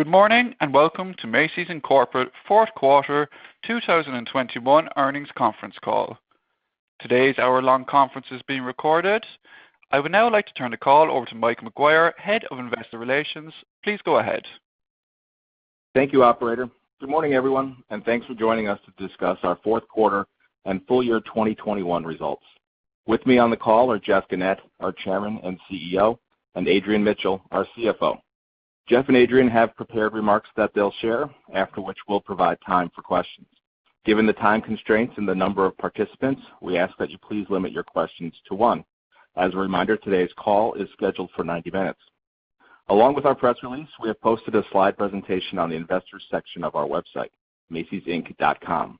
Good morning, and welcome to Macy's, Inc fourth quarter 2021 earnings conference call. Today's hour-long conference is being recorded. I would now like to turn the call over to Mike McGuire, Head of Investor Relations. Please go ahead. Thank you, operator. Good morning, everyone, and thanks for joining us to discuss our fourth quarter and full year 2021 results. With me on the call are Jeff Gennette, our Chairman and CEO, and Adrian Mitchell, our CFO. Jeff and Adrian have prepared remarks that they'll share, after which we'll provide time for questions. Given the time constraints and the number of participants, we ask that you please limit your questions to one. As a reminder, today's call is scheduled for 90 minutes. Along with our press release, we have posted a slide presentation on the investors section of our website, macysinc.com.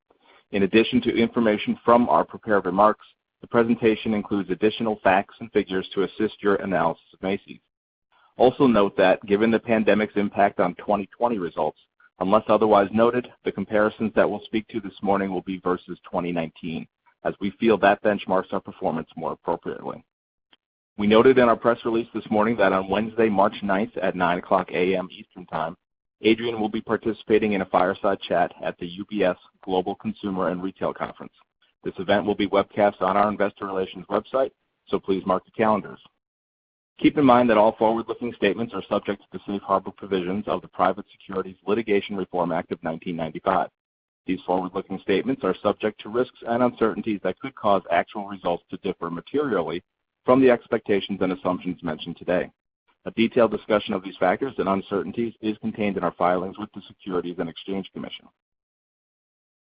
In addition to information from our prepared remarks, the presentation includes additional facts and figures to assist your analysis of Macy's. Note that given the pandemic's impact on 2020 results, unless otherwise noted, the comparisons that we'll speak to this morning will be versus 2019, as we feel that benchmarks our performance more appropriately. We noted in our press release this morning that on Wednesday, March 9th, at 9:00 A.M. Eastern Time, Adrian will be participating in a fireside chat at the UBS Global Consumer and Retail Conference. This event will be webcast on our investor relations website, so please mark your calendars. Keep in mind that all forward-looking statements are subject to the Safe Harbor provisions of the Private Securities Litigation Reform Act of 1995. These forward-looking statements are subject to risks and uncertainties that could cause actual results to differ materially from the expectations and assumptions mentioned today. A detailed discussion of these factors and uncertainties is contained in our filings with the Securities and Exchange Commission.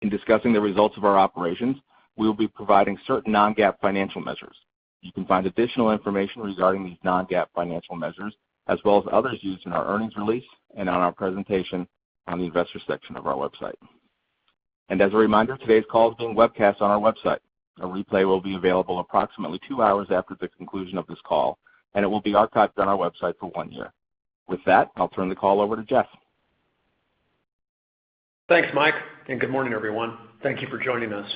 In discussing the results of our operations, we will be providing certain non-GAAP financial measures. You can find additional information regarding these non-GAAP financial measures, as well as others used in our earnings release and on our presentation on the investor section of our website. As a reminder, today's call is being webcast on our website. A replay will be available approximately 2 hours after the conclusion of this call, and it will be archived on our website for 1 year. With that, I'll turn the call over to Jeff. Thanks, Mike, and good morning, everyone. Thank you for joining us.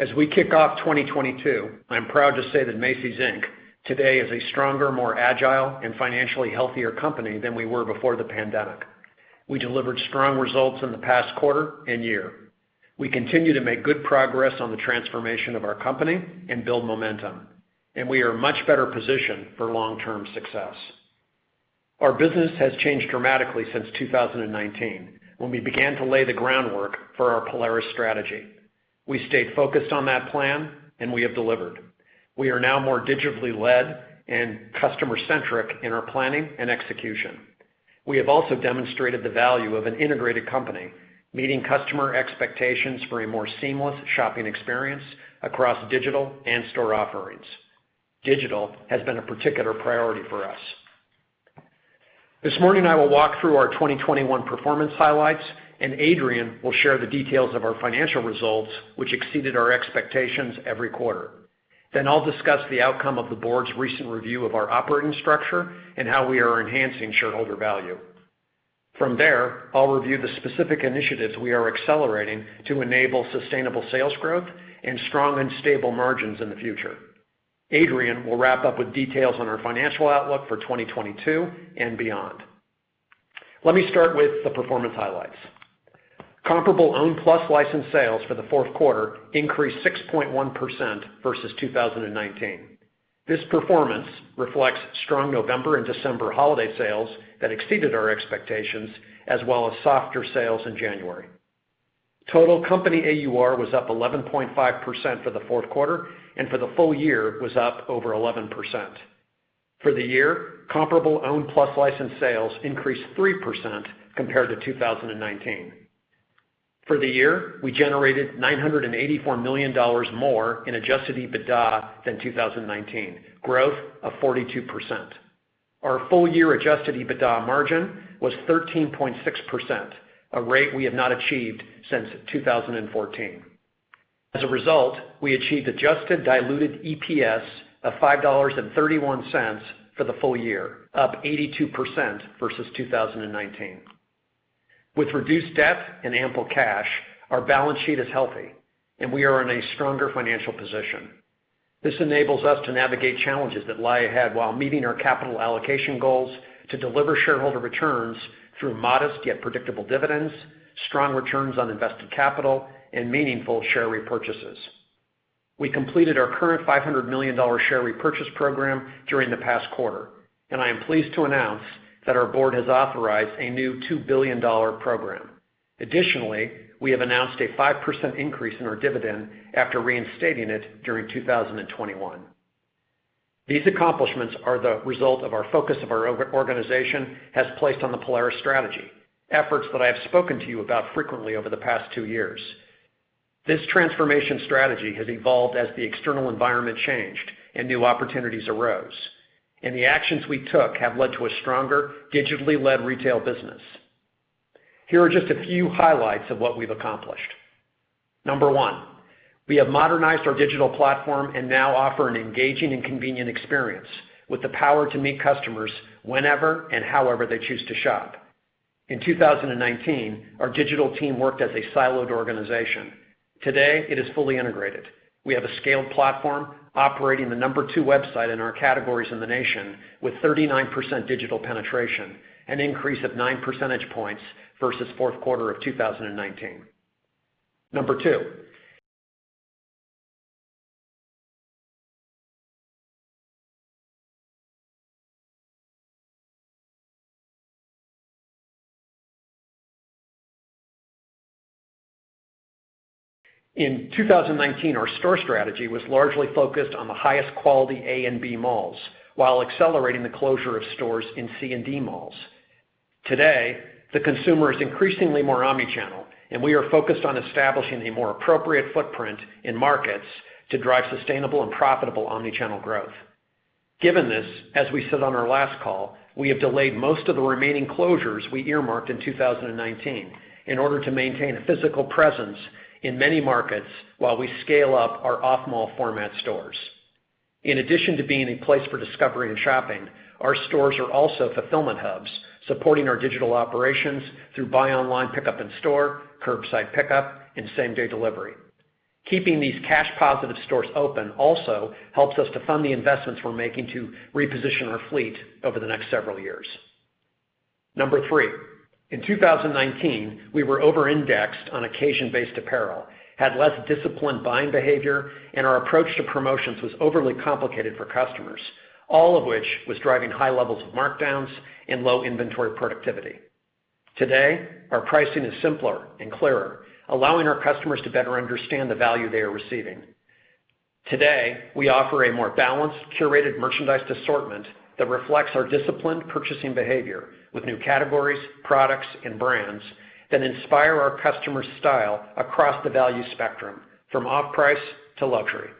As we kick off 2022, I'm proud to say that Macy's, Inc today is a stronger, more agile and financially healthier company than we were before the pandemic. We delivered strong results in the past quarter and year. We continue to make good progress on the transformation of our company and build momentum, and we are much better positioned for long-term success. Our business has changed dramatically since 2019 when we began to lay the groundwork for our Polaris strategy. We stayed focused on that plan, and we have delivered. We are now more digitally led and customer-centric in our planning and execution. We have also demonstrated the value of an integrated company, meeting customer expectations for a more seamless shopping experience across digital and store offerings. Digital has been a particular priority for us. This morning, I will walk through our 2021 performance highlights, and Adrian will share the details of our financial results, which exceeded our expectations every quarter. Then I'll discuss the outcome of the Board's recent review of our operating structure and how we are enhancing shareholder value. From there, I'll review the specific initiatives we are accelerating to enable sustainable sales growth and strong and stable margins in the future. Adrian will wrap up with details on our financial outlook for 2022 and beyond. Let me start with the performance highlights. Comparable owned-plus-licensed sales for the fourth quarter increased 6.1% versus 2019. This performance reflects strong November and December holiday sales that exceeded our expectations as well as softer sales in January. Total company AUR was up 11.5% for the fourth quarter, and for the full year was up over 11%. For the year, comparable owned-plus-licensed sales increased 3% compared to 2019. For the year, we generated $984 million more in adjusted EBITDA than 2019, growth of 42%. Our full year adjusted EBITDA margin was 13.6%, a rate we have not achieved since 2014. As a result, we achieved adjusted diluted EPS of $5.31 for the full year, up 82% versus 2019. With reduced debt and ample cash, our balance sheet is healthy, and we are in a stronger financial position. This enables us to navigate challenges that lie ahead while meeting our capital allocation goals to deliver shareholder returns through modest yet predictable dividends, strong returns on invested capital, and meaningful share repurchases. We completed our current $500 million share repurchase program during the past quarter, and I am pleased to announce that our Board has authorized a new $2 billion program. Additionally, we have announced a 5% increase in our dividend after reinstating it during 2021. These accomplishments are the result of our focus of our organization has placed on the Polaris strategy, efforts that I have spoken to you about frequently over the past 2 years. This transformation strategy has evolved as the external environment changed and new opportunities arose, and the actions we took have led to a stronger, digitally-led retail business. Here are just a few highlights of what we've accomplished. Number one. We have modernized our digital platform and now offer an engaging and convenient experience with the power to meet customers whenever and however they choose to shop. In 2019, our digital team worked as a siloed organization. Today, it is fully integrated. We have a scaled platform operating the number two website in our categories in the nation with 39% digital penetration, an increase of 9 percentage points versus fourth quarter of 2019. Number two. In 2019, our store strategy was largely focused on the highest quality A and B malls while accelerating the closure of stores in C and D malls. Today, the consumer is increasingly more omnichannel, and we are focused on establishing a more appropriate footprint in markets to drive sustainable and profitable omnichannel growth. Given this, as we said on our last call, we have delayed most of the remaining closures we earmarked in 2019 in order to maintain a physical presence in many markets while we scale up our off-mall format stores. In addition to being a place for discovery and shopping, our stores are also fulfillment hubs supporting our digital operations through buy online, pickup in store, curbside pickup, and same-day delivery. Keeping these cash-positive stores open also helps us to fund the investments we're making to reposition our fleet over the next several years. Number three. In 2019, we were over-indexed on occasion-based apparel, had less disciplined buying behavior, and our approach to promotions was overly complicated for customers, all of which was driving high levels of markdowns and low inventory productivity. Today, our pricing is simpler and clearer, allowing our customers to better understand the value they are receiving. Today, we offer a more balanced, curated merchandise assortment that reflects our disciplined purchasing behavior with new categories, products, and brands that inspire our customers' style across the value spectrum, from off-price to luxury.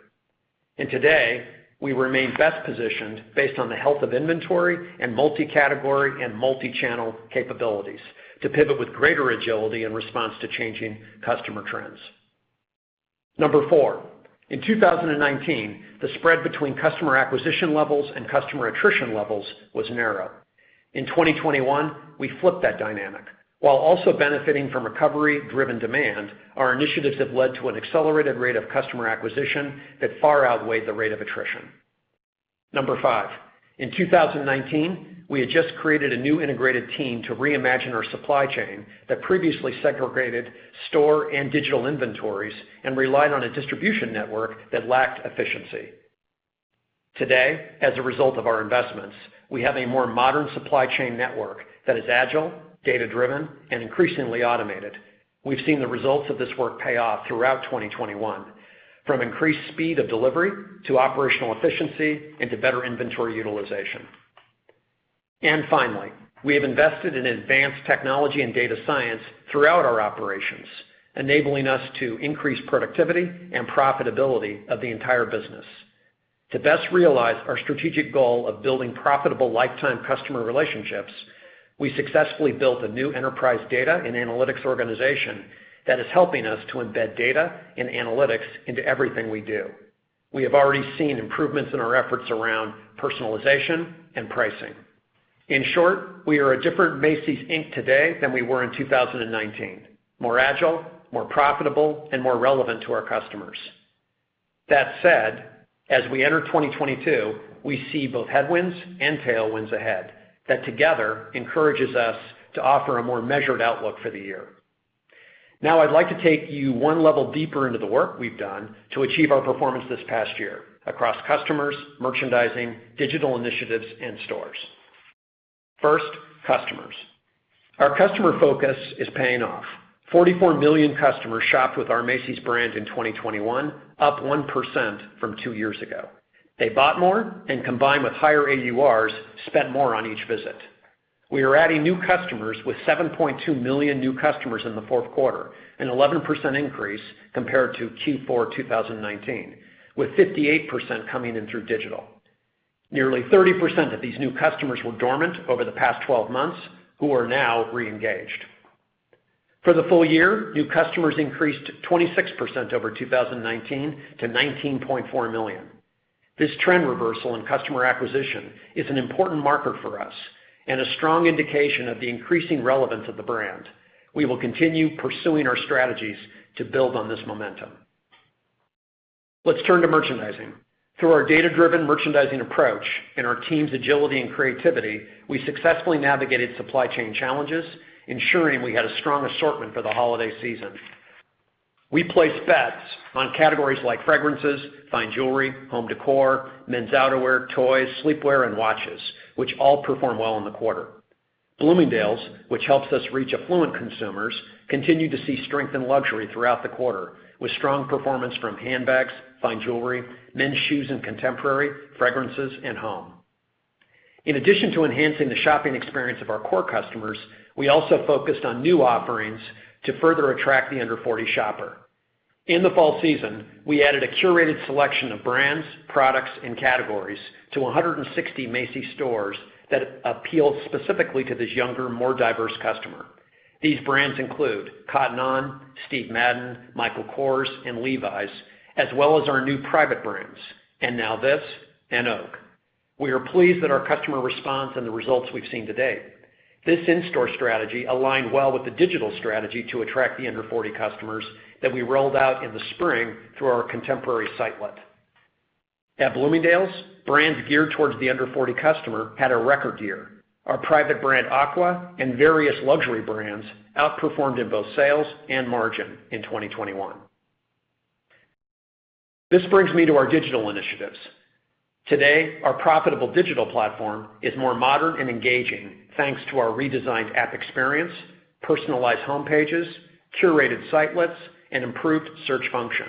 Today, we remain best positioned based on the health of inventory and multi-category and multi-channel capabilities to pivot with greater agility in response to changing customer trends. Number four. In 2019, the spread between customer acquisition levels and customer attrition levels was narrow. In 2021, we flipped that dynamic. While also benefiting from recovery-driven demand, our initiatives have led to an accelerated rate of customer acquisition that far outweighed the rate of attrition. Number five. In 2019, we had just created a new integrated team to reimagine our supply chain that previously segregated store and digital inventories and relied on a distribution network that lacked efficiency. Today, as a result of our investments, we have a more modern supply chain network that is agile, data-driven, and increasingly automated. We've seen the results of this work pay off throughout 2021, from increased speed of delivery to operational efficiency and to better inventory utilization. Finally, we have invested in advanced technology and data science throughout our operations, enabling us to increase productivity and profitability of the entire business. To best realize our strategic goal of building profitable lifetime customer relationships, we successfully built a new enterprise data and analytics organization that is helping us to embed data and analytics into everything we do. We have already seen improvements in our efforts around personalization and pricing. In short, we are a different Macy's, Inc today than we were in 2019. More agile, more profitable, and more relevant to our customers. That said, as we enter 2022, we see both headwinds and tailwinds ahead that together encourages us to offer a more measured outlook for the year. Now I'd like to take you one level deeper into the work we've done to achieve our performance this past year across customers, merchandising, digital initiatives, and stores. First, customers. Our customer focus is paying off. 44 million customers shopped with our Macy's brand in 2021, up 1% from 2 years ago. They bought more and, combined with higher AURs, spent more on each visit. We are adding new customers with 7.2 million new customers in the fourth quarter, an 11% increase compared to Q4 2019, with 58% coming in through digital. Nearly 30% of these new customers were dormant over the past 12 months, who are now re-engaged. For the full year, new customers increased 26% over 2019 to 19.4 million. This trend reversal in customer acquisition is an important marker for us and a strong indication of the increasing relevance of the brand. We will continue pursuing our strategies to build on this momentum. Let's turn to merchandising. Through our data-driven merchandising approach and our team's agility and creativity, we successfully navigated supply chain challenges, ensuring we had a strong assortment for the holiday season. We placed bets on categories like fragrances, fine jewelry, home decor, men's outerwear, toys, sleepwear, and watches, which all performed well in the quarter. Bloomingdale's, which helps us reach affluent consumers, continued to see strength in luxury throughout the quarter, with strong performance from handbags, fine jewelry, men's shoes and contemporary, fragrances, and home. In addition to enhancing the shopping experience of our core customers, we also focused on new offerings to further attract the under 40 shopper. In the fall season, we added a curated selection of brands, products, and categories to 160 Macy's stores that appeal specifically to this younger, more diverse customer. These brands include COTTON ON, Steve Madden, Michael Kors, and Levi's, as well as our new private brands, And Now This and Oake. We are pleased that our customer response and the results we've seen today. This in-store strategy aligned well with the digital strategy to attract the under 40 customers that we rolled out in the spring through our contemporary sitelet. At Bloomingdale's, brands geared towards the under 40 customer had a record year. Our private brand AQUA and various luxury brands outperformed in both sales and margin in 2021. This brings me to our digital initiatives. Today, our profitable digital platform is more modern and engaging, thanks to our redesigned app experience, personalized homepages, curated sitelets, and improved search function.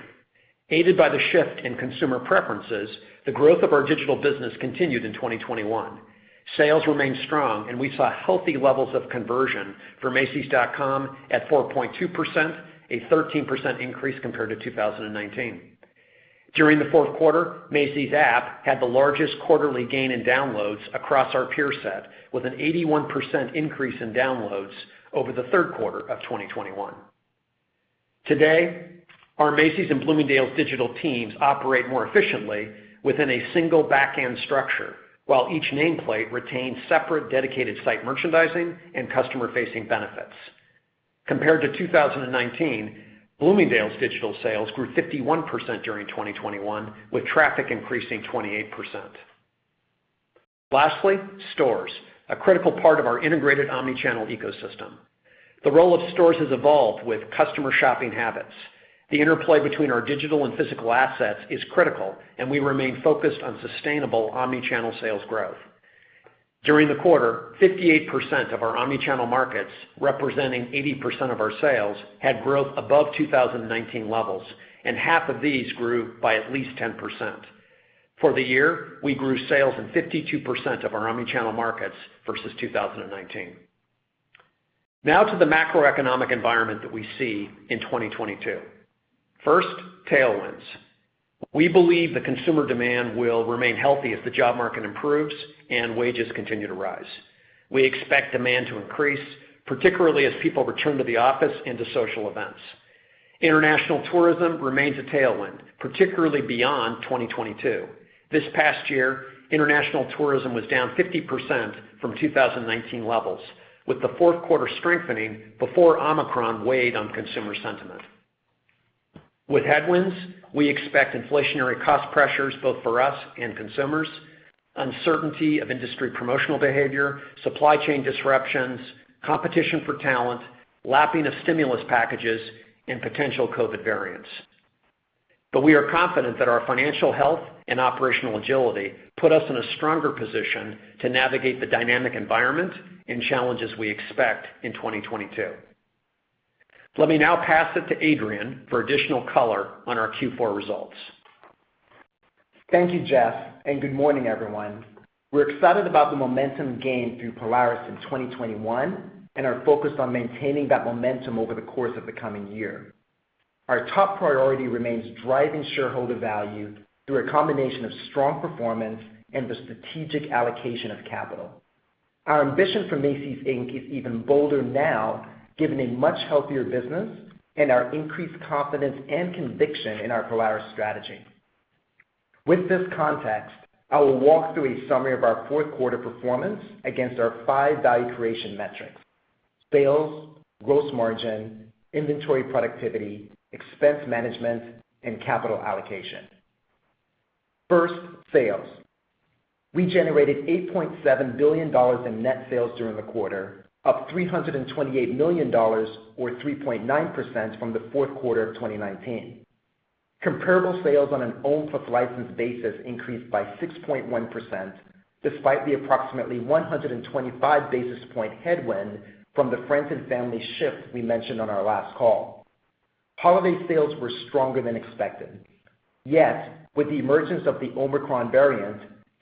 Aided by the shift in consumer preferences, the growth of our digital business continued in 2021. Sales remained strong, and we saw healthy levels of conversion for macys.com at 4.2%, a 13% increase compared to 2019. During the fourth quarter, Macy's app had the largest quarterly gain in downloads across our peer set, with an 81% increase in downloads over the third quarter of 2021. Today, our Macy's and Bloomingdale's digital teams operate more efficiently within a single backend structure, while each nameplate retains separate dedicated site merchandising and customer-facing benefits. Compared to 2019, Bloomingdale's digital sales grew 51% during 2021, with traffic increasing 28%. Lastly, stores are a critical part of our integrated omni-channel ecosystem. The role of stores has evolved with customer shopping habits. The interplay between our digital and physical assets is critical, and we remain focused on sustainable omni-channel sales growth. During the quarter, 58% of our omni-channel markets, representing 80% of our sales, had growth above 2019 levels, and half of these grew by at least 10%. For the year, we grew sales in 52% of our omni-channel markets versus 2019. Now to the macroeconomic environment that we see in 2022. First, tailwinds. We believe the consumer demand will remain healthy as the job market improves and wages continue to rise. We expect demand to increase, particularly as people return to the office and to social events. International tourism remains a tailwind, particularly beyond 2022. This past year, international tourism was down 50% from 2019 levels, with the fourth quarter strengthening before Omicron weighed on consumer sentiment. With headwinds, we expect inflationary cost pressures both for us and consumers, uncertainty of industry promotional behavior, supply chain disruptions, competition for talent, lapping of stimulus packages, and potential COVID variants. We are confident that our financial health and operational agility put us in a stronger position to navigate the dynamic environment and challenges we expect in 2022. Let me now pass it to Adrian for additional color on our Q4 results. Thank you, Jeff, and good morning, everyone. We're excited about the momentum gained through Polaris in 2021 and are focused on maintaining that momentum over the course of the coming year. Our top priority remains driving shareholder value through a combination of strong performance and the strategic allocation of capital. Our ambition for Macy's, Inc is even bolder now, given a much healthier business and our increased confidence and conviction in our Polaris strategy. With this context, I will walk through a summary of our fourth quarter performance against our five value creation metrics. Sales, gross margin, inventory productivity, expense management, and capital allocation. First, sales. We generated $8.7 billion in net sales during the quarter, up $328 million or 3.9% from the fourth quarter of 2019. Comparable sales on an owned-plus-licensed basis increased by 6.1%, despite the approximately 125 basis points headwind from the friends and family shift we mentioned on our last call. Holiday sales were stronger than expected. With the emergence of the Omicron variant,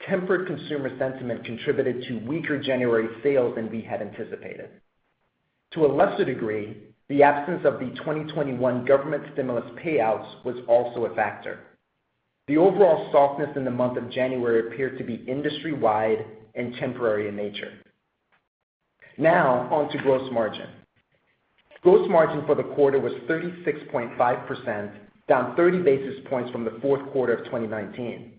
tempered consumer sentiment contributed to weaker January sales than we had anticipated. To a lesser degree, the absence of the 2021 government stimulus payouts was also a factor. The overall softness in the month of January appeared to be industry-wide and temporary in nature. Now on to gross margin. Gross margin for the quarter was 36.5%, down 30 basis points from the fourth quarter of 2019.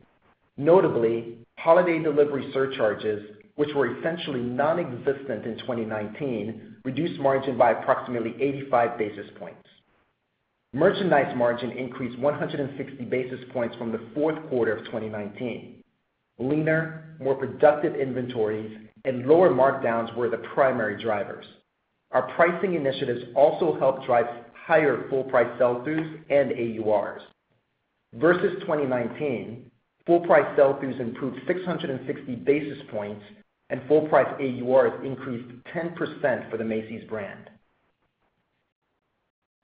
Notably, holiday delivery surcharges, which were essentially nonexistent in 2019, reduced margin by approximately 85 basis points. Merchandise margin increased 160 basis points from the fourth quarter of 2019. Leaner, more productive inventories and lower markdowns were the primary drivers. Our pricing initiatives also helped drive higher full price sell-throughs and AURs. Versus 2019, full price sell-throughs improved 660 basis points, and full price AURs increased 10% for the Macy's brand.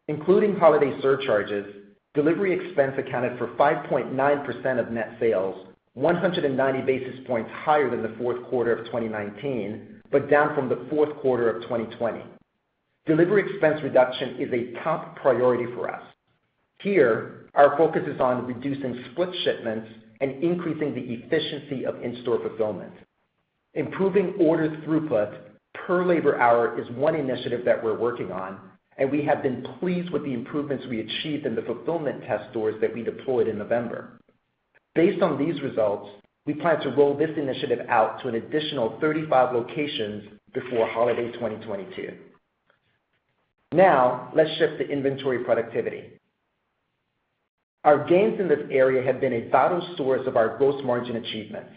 Including holiday surcharges, delivery expense accounted for 5.9% of net sales, 190 basis points higher than the fourth quarter of 2019, but down from the fourth quarter of 2020. Delivery expense reduction is a top priority for us. Here, our focus is on reducing split shipments and increasing the efficiency of in-store fulfillment. Improving order throughput per labor hour is one initiative that we're working on, and we have been pleased with the improvements we achieved in the fulfillment test stores that we deployed in November. Based on these results, we plan to roll this initiative out to an additional 35 locations before holiday 2022. Now, let's shift to inventory productivity. Our gains in this area have been a vital source of our gross margin achievements,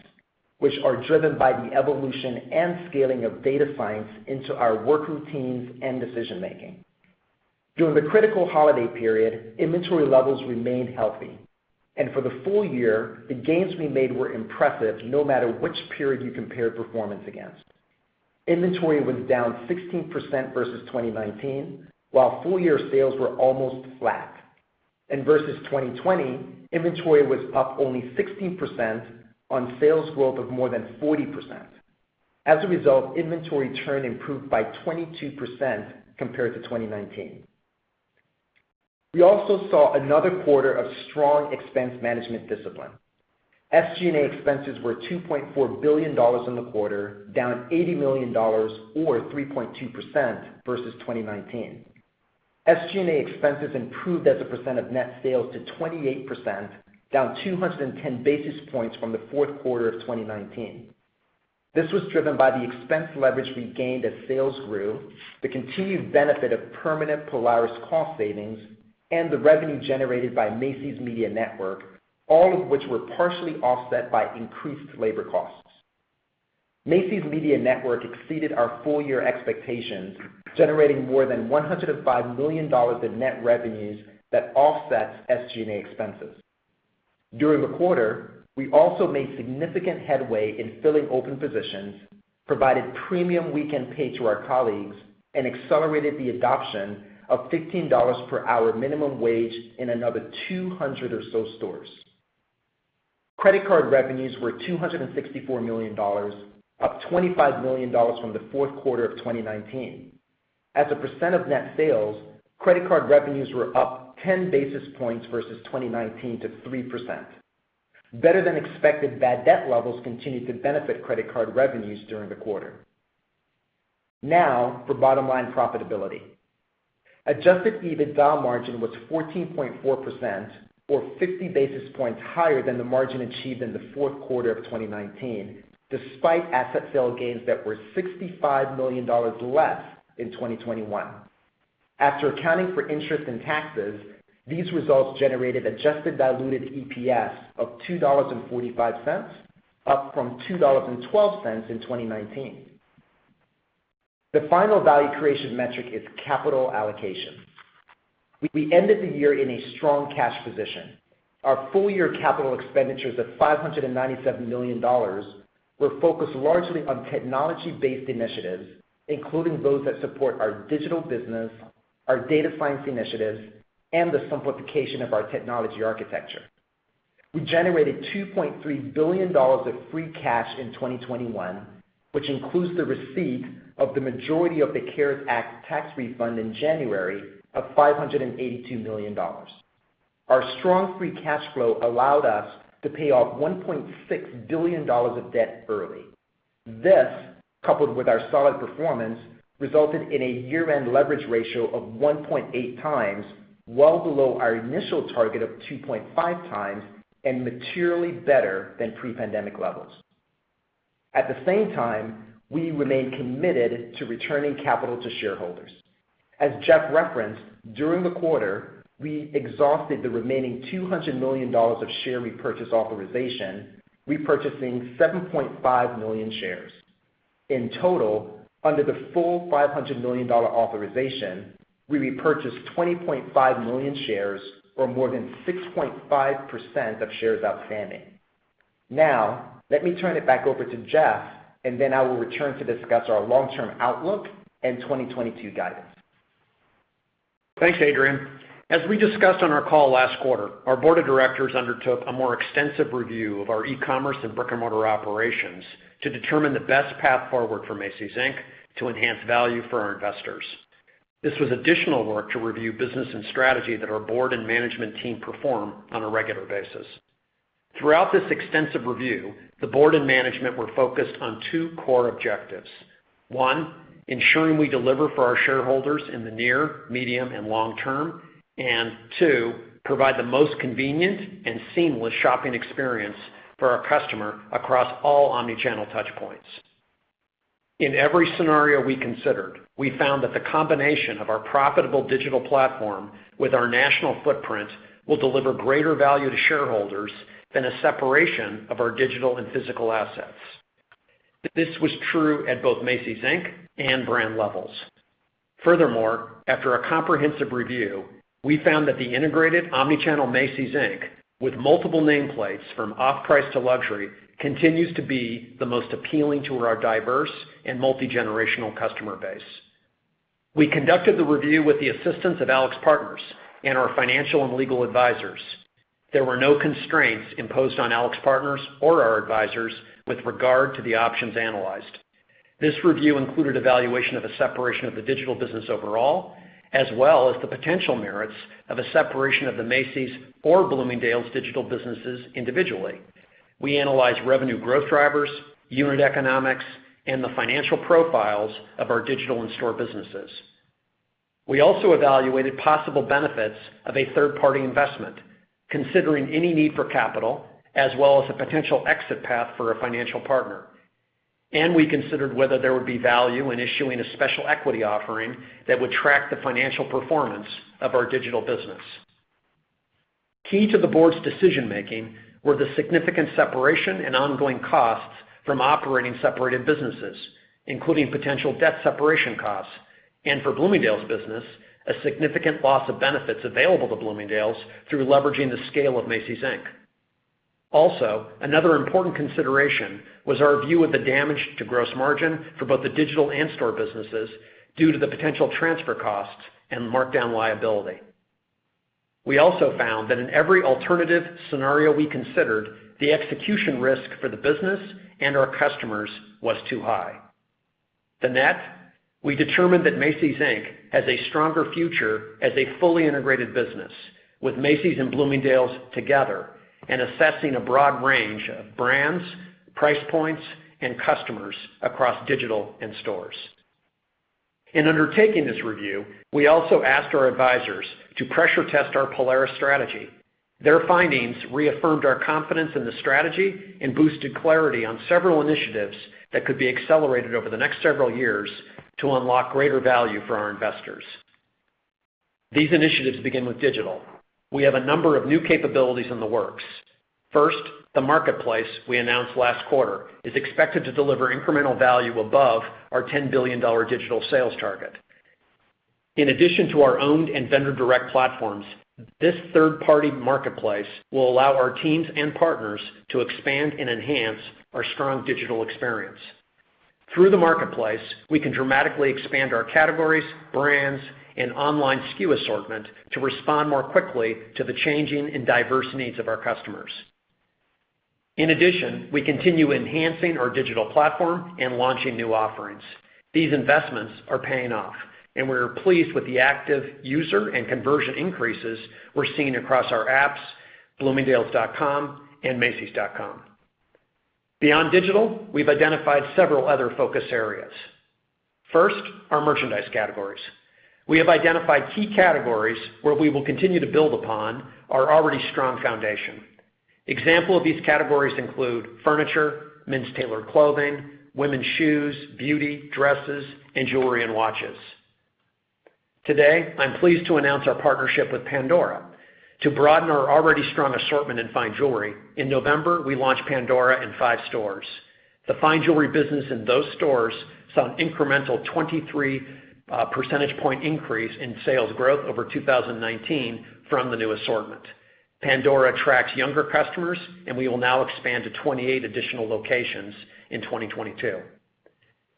which are driven by the evolution and scaling of data science into our work routines and decision-making. During the critical holiday period, inventory levels remained healthy, and for the full year, the gains we made were impressive, no matter which period you compared performance against. Inventory was down 16% versus 2019, while full year sales were almost flat. Versus 2020, inventory was up only 16% on sales growth of more than 40%. As a result, inventory churn improved by 22% compared to 2019. We also saw another quarter of strong expense management discipline. SG&A expenses were $2.4 billion in the quarter, down $80 million or 3.2% versus 2019. SG&A expenses improved as a percent of net sales to 28%, down 210 basis points from the fourth quarter of 2019. This was driven by the expense leverage we gained as sales grew, the continued benefit of permanent Polaris cost savings, and the revenue generated by Macy's Media Network, all of which were partially offset by increased labor costs. Macy's Media Network exceeded our full-year expectations, generating more than $105 million in net revenues that offsets SG&A expenses. During the quarter, we also made significant headway in filling open positions, provided premium weekend pay to our colleagues, and accelerated the adoption of $15 per hour minimum wage in another 200 or so stores. Credit card revenues were $264 million, up $25 million from the fourth quarter of 2019. As a percent of net sales, credit card revenues were up 10 basis points versus 2019 to 3%. Better than expected bad debt levels continued to benefit credit card revenues during the quarter. Now for bottom-line profitability. Adjusted EBITDA margin was 14.4% or 50 basis points higher than the margin achieved in the fourth quarter of 2019, despite asset sale gains that were $65 million less in 2021. After accounting for interest and taxes, these results generated adjusted diluted EPS of $2.45, up from $2.12 in 2019. The final value creation metric is capital allocation. We ended the year in a strong cash position. Our full-year capital expenditures of $597 million were focused largely on technology-based initiatives, including those that support our digital business, our data science initiatives, and the simplification of our technology architecture. We generated $2.3 billion of free cash in 2021, which includes the receipt of the majority of the CARES Act tax refund in January of $582 million. Our strong free cash flow allowed us to pay off $1.6 billion of debt early. This, coupled with our solid performance, resulted in a year-end leverage ratio of 1.8x, well below our initial target of 2.5x and materially better than pre-pandemic levels. At the same time, we remain committed to returning capital to shareholders. As Jeff referenced, during the quarter, we exhausted the remaining $200 million of share repurchase authorization, repurchasing 7.5 million shares. In total, under the full $500 million authorization, we repurchased 20.5 million shares or more than 6.5% of shares outstanding. Now, let me turn it back over to Jeff and then I will return to discuss our long-term outlook and 2022 guidance. Thanks, Adrian. As we discussed on our call last quarter, our Board of Directors undertook a more extensive review of our e-commerce and brick-and-mortar operations to determine the best path forward for Macy's, Inc to enhance value for our investors. This was additional work to review business and strategy that our Board and management team perform on a regular basis. Throughout this extensive review, the Board and management were focused on two core objectives. One, ensuring we deliver for our shareholders in the near, medium, and long term. Two, provide the most convenient and seamless shopping experience for our customer across all omni-channel touch points. In every scenario we considered, we found that the combination of our profitable digital platform with our national footprint will deliver greater value to shareholders than a separation of our digital and physical assets. This was true at both Macy's, Inc and brand levels. Furthermore, after a comprehensive review, we found that the integrated omni-channel Macy's, Inc with multiple nameplates from off-price to luxury continues to be the most appealing to our diverse and multigenerational customer base. We conducted the review with the assistance of AlixPartners and our financial and legal advisors. There were no constraints imposed on AlixPartners or our advisors with regard to the options analyzed. This review included evaluation of the separation of the digital business overall, as well as the potential merits of a separation of the Macy's or Bloomingdale's digital businesses individually. We analyzed revenue growth drivers, unit economics, and the financial profiles of our digital and store businesses. We also evaluated possible benefits of a third-party investment, considering any need for capital as well as a potential exit path for a financial partner. We considered whether there would be value in issuing a special equity offering that would track the financial performance of our digital business. Key to the Board's decision-making were the significant separation and ongoing costs from operating separated businesses, including potential debt separation costs, and for Bloomingdale's business, a significant loss of benefits available to Bloomingdale's through leveraging the scale of Macy's, Inc. Also, another important consideration was our view of the damage to gross margin for both the digital and store businesses due to the potential transfer costs and markdown liability. We also found that in every alternative scenario we considered, the execution risk for the business and our customers was too high. The net, we determined that Macy's, Inc has a stronger future as a fully integrated business with Macy's and Bloomingdale's together and assessing a broad range of brands, price points, and customers across digital and stores. In undertaking this review, we also asked our advisors to pressure test our Polaris strategy. Their findings reaffirmed our confidence in the strategy and boosted clarity on several initiatives that could be accelerated over the next several years to unlock greater value for our investors. These initiatives begin with digital. We have a number of new capabilities in the works. First, the marketplace we announced last quarter is expected to deliver incremental value above our $10 billion digital sales target. In addition to our owned and vendor direct platforms, this third-party marketplace will allow our teams and partners to expand and enhance our strong digital experience. Through the marketplace, we can dramatically expand our categories, brands, and online SKU assortment to respond more quickly to the changing and diverse needs of our customers. In addition, we continue enhancing our digital platform and launching new offerings. These investments are paying off, and we are pleased with the active user and conversion increases we're seeing across our apps, bloomingdales.com, and macys.com. Beyond digital, we've identified several other focus areas. First, our merchandise categories. We have identified key categories where we will continue to build upon our already strong foundation. Example of these categories include furniture, men's tailored clothing, women's shoes, beauty, dresses, and jewelry and watches. Today, I'm pleased to announce our partnership with Pandora to broaden our already strong assortment in fine jewelry. In November, we launched Pandora in five stores. The fine jewelry business in those stores saw an incremental 23 percentage point increase in sales growth over 2019 from the new assortment. Pandora attracts younger customers, and we will now expand to 28 additional locations in 2022.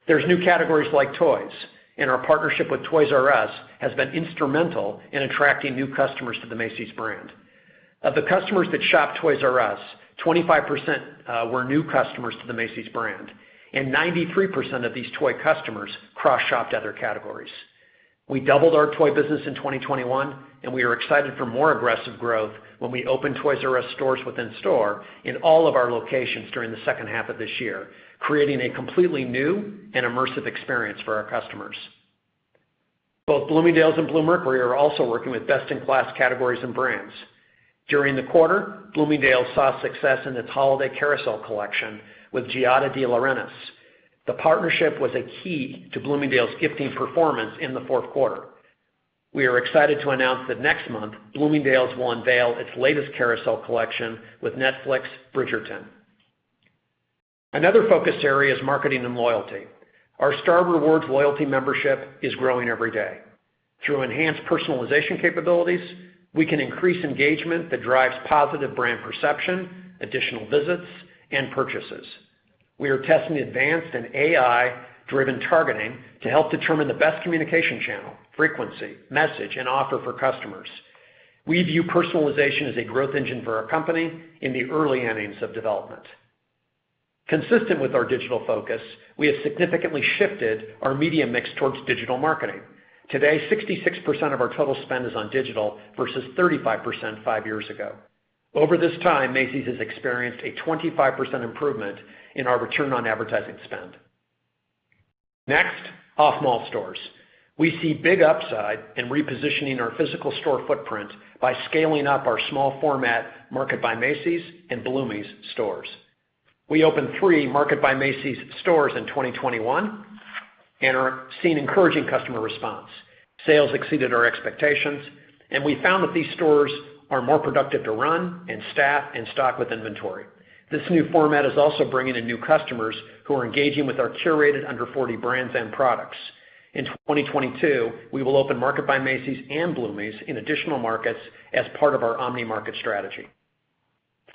There's new categories like toys, and our partnership with Toys "R" Us has been instrumental in attracting new customers to the Macy's brand. Of the customers that shop Toys "R" Us, 25% were new customers to the Macy's brand, and 93% of these toy customers cross-shopped other categories. We doubled our toy business in 2021, and we are excited for more aggressive growth when we open Toys "R" Us stores within store in all of our locations during the second half of this year, creating a completely new and immersive experience for our customers. Both Bloomingdale's and Bluemercury are also working with best-in-class categories and brands. During the quarter, Bloomingdale's saw success in its holiday carousel collection with Giada De Laurentiis. The partnership was a key to Bloomingdale's gifting performance in the fourth quarter. We are excited to announce that next month, Bloomingdale's will unveil its latest carousel collection with Netflix Bridgerton. Another focus area is marketing and loyalty. Our Star Rewards loyalty membership is growing every day. Through enhanced personalization capabilities, we can increase engagement that drives positive brand perception, additional visits, and purchases. We are testing advanced and AI-driven targeting to help determine the best communication channel, frequency, message, and offer for customers. We view personalization as a growth engine for our company in the early innings of development. Consistent with our digital focus, we have significantly shifted our media mix towards digital marketing. Today, 66% of our total spend is on digital versus 35% 5 years ago. Over this time, Macy's has experienced a 25% improvement in our return on advertising spend. Next, off-mall stores. We see big upside in repositioning our physical store footprint by scaling up our small format Market by Macy's and Bloomie's stores. We opened three Market by Macy's stores in 2021 and are seeing encouraging customer response. Sales exceeded our expectations, and we found that these stores are more productive to run and staff and stock with inventory. This new format is also bringing in new customers who are engaging with our curated under $40 brands and products. In 2022, we will open Market by Macy's and Bloomie's in additional markets as part of our omni-market strategy.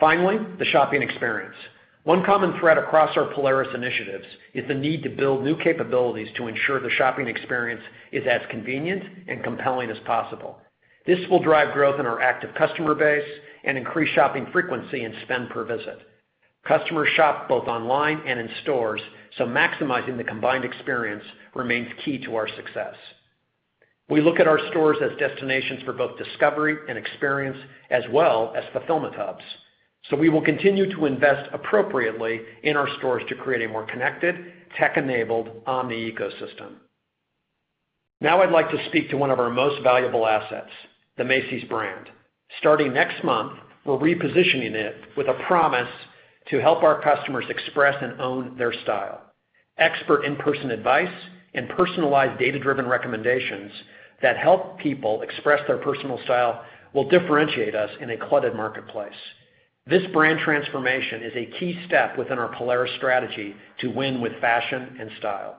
Finally, the shopping experience. One common thread across our Polaris initiatives is the need to build new capabilities to ensure the shopping experience is as convenient and compelling as possible. This will drive growth in our active customer base and increase shopping frequency and spend per visit. Customers shop both online and in stores, so maximizing the combined experience remains key to our success. We look at our stores as destinations for both discovery and experience as well as fulfillment hubs. We will continue to invest appropriately in our stores to create a more connected, tech-enabled omni ecosystem. Now I'd like to speak to one of our most valuable assets, the Macy's brand. Starting next month, we're repositioning it with a promise to help our customers express and own their style. Expert in-person advice and personalized data-driven recommendations that help people express their personal style will differentiate us in a cluttered marketplace. This brand transformation is a key step within our Polaris strategy to win with fashion and style.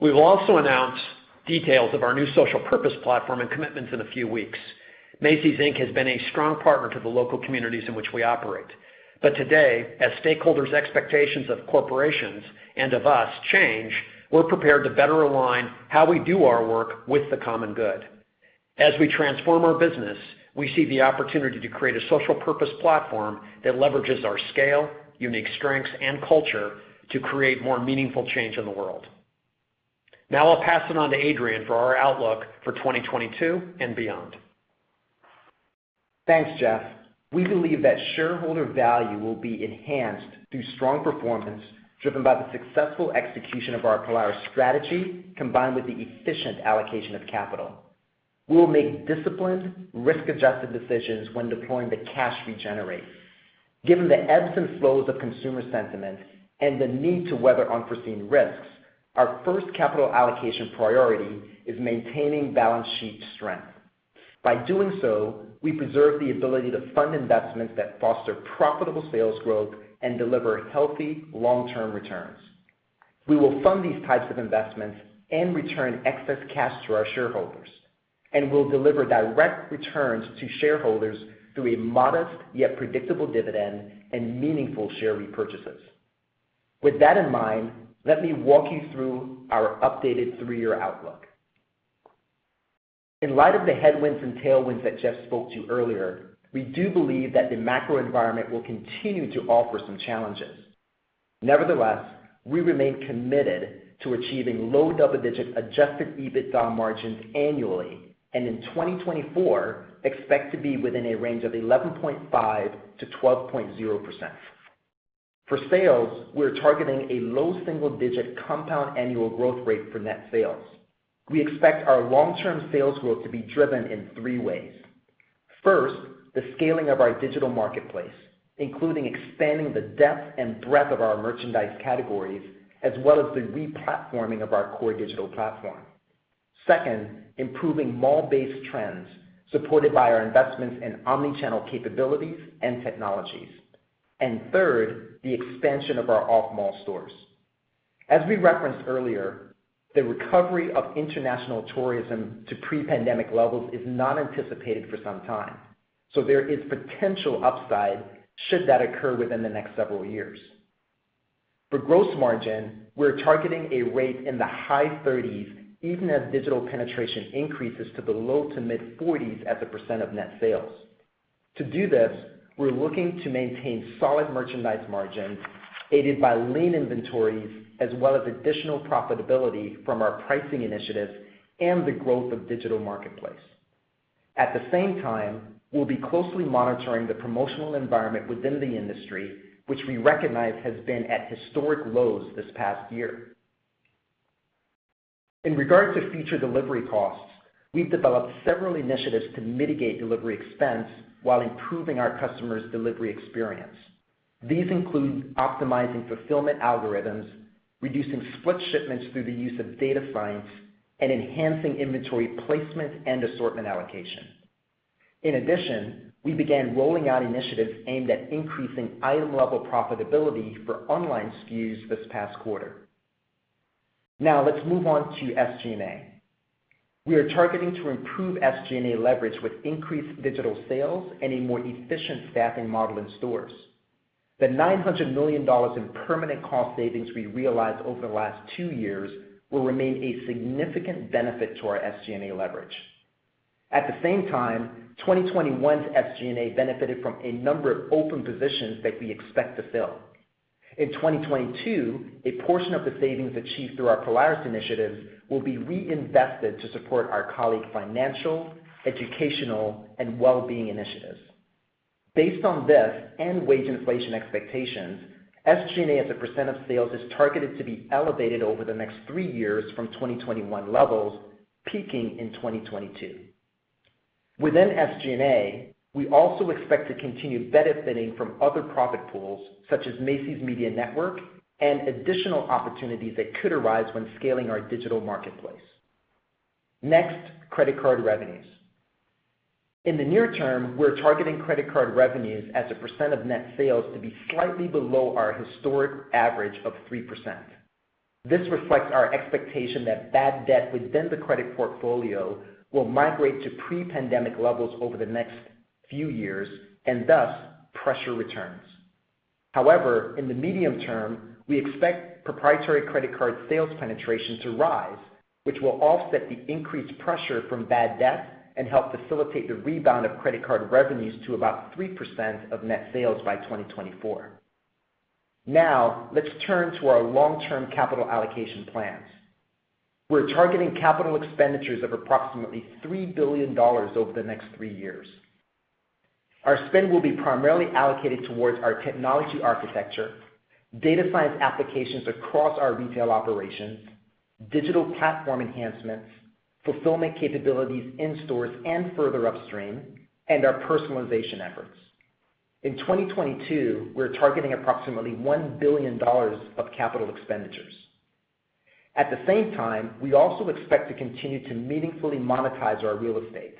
We will also announce details of our new social purpose platform and commitments in a few weeks. Macy's, Inc has been a strong partner to the local communities in which we operate. Today, as stakeholders' expectations of corporations and of us change, we're prepared to better align how we do our work with the common good. As we transform our business, we see the opportunity to create a social purpose platform that leverages our scale, unique strengths, and culture to create more meaningful change in the world. Now I'll pass it on to Adrian for our outlook for 2022 and beyond. Thanks, Jeff. We believe that shareholder value will be enhanced through strong performance driven by the successful execution of our Polaris strategy combined with the efficient allocation of capital. We will make disciplined, risk-adjusted decisions when deploying the cash we generate. Given the ebbs and flows of consumer sentiment and the need to weather unforeseen risks, our first capital allocation priority is maintaining balance sheet strength. By doing so, we preserve the ability to fund investments that foster profitable sales growth and deliver healthy long-term returns. We will fund these types of investments and return excess cash to our shareholders, and we'll deliver direct returns to shareholders through a modest yet predictable dividend and meaningful share repurchases. With that in mind, let me walk you through our updated 3-year outlook. In light of the headwinds and tailwinds that Jeff spoke to earlier, we do believe that the macro environment will continue to offer some challenges. Nevertheless, we remain committed to achieving low double-digit adjusted EBITDA margins annually, and in 2024, expect to be within a range of 11.5%-12.0%. For sales, we're targeting a low single-digit compound annual growth rate for net sales. We expect our long-term sales growth to be driven in three ways. First, the scaling of our digital marketplace, including expanding the depth and breadth of our merchandise categories, as well as the replatforming of our core digital platform. Second, improving mall-based trends supported by our investments in omni-channel capabilities and technologies. Third, the expansion of our off-mall stores. As we referenced earlier, the recovery of international tourism to pre-pandemic levels is not anticipated for some time, so there is potential upside should that occur within the next several years. For gross margin, we're targeting a rate in the high 30s, even as digital penetration increases to the low to mid-40s as a percent of net sales. To do this, we're looking to maintain solid merchandise margins aided by lean inventories as well as additional profitability from our pricing initiatives and the growth of digital marketplace. At the same time, we'll be closely monitoring the promotional environment within the industry, which we recognize has been at historic lows this past year. In regard to future delivery costs, we've developed several initiatives to mitigate delivery expense while improving our customers' delivery experience. These include optimizing fulfillment algorithms, reducing split shipments through the use of data science, and enhancing inventory placement and assortment allocation. In addition, we began rolling out initiatives aimed at increasing item-level profitability for online SKUs this past quarter. Now let's move on to SG&A. We are targeting to improve SG&A leverage with increased digital sales and a more efficient staffing model in stores. The $900 million in permanent cost savings we realized over the last 2 years will remain a significant benefit to our SG&A leverage. At the same time, 2021's SG&A benefited from a number of open positions that we expect to fill. In 2022, a portion of the savings achieved through our Polaris initiatives will be reinvested to support our colleague financial, educational, and well-being initiatives. Based on this and wage inflation expectations, SG&A as a percent of sales is targeted to be elevated over the next 3 years from 2021 levels, peaking in 2022. Within SG&A, we also expect to continue benefiting from other profit pools, such as Macy's Media Network and additional opportunities that could arise when scaling our digital marketplace. Next, credit card revenues. In the near term, we're targeting credit card revenues as a percent of net sales to be slightly below our historic average of 3%. This reflects our expectation that bad debt within the credit portfolio will migrate to pre-pandemic levels over the next few years and, thus, pressure returns. However, in the medium term, we expect proprietary credit card sales penetration to rise, which will offset the increased pressure from bad debt and help facilitate the rebound of credit card revenues to about 3% of net sales by 2024. Now, let's turn to our long-term capital allocation plans. We're targeting capital expenditures of approximately $3 billion over the next 3 years. Our spend will be primarily allocated towards our technology architecture, data science applications across our retail operations, digital platform enhancements, fulfillment capabilities in stores and further upstream, and our personalization efforts. In 2022, we're targeting approximately $1 billion of capital expenditures. At the same time, we also expect to continue to meaningfully monetize our real estate.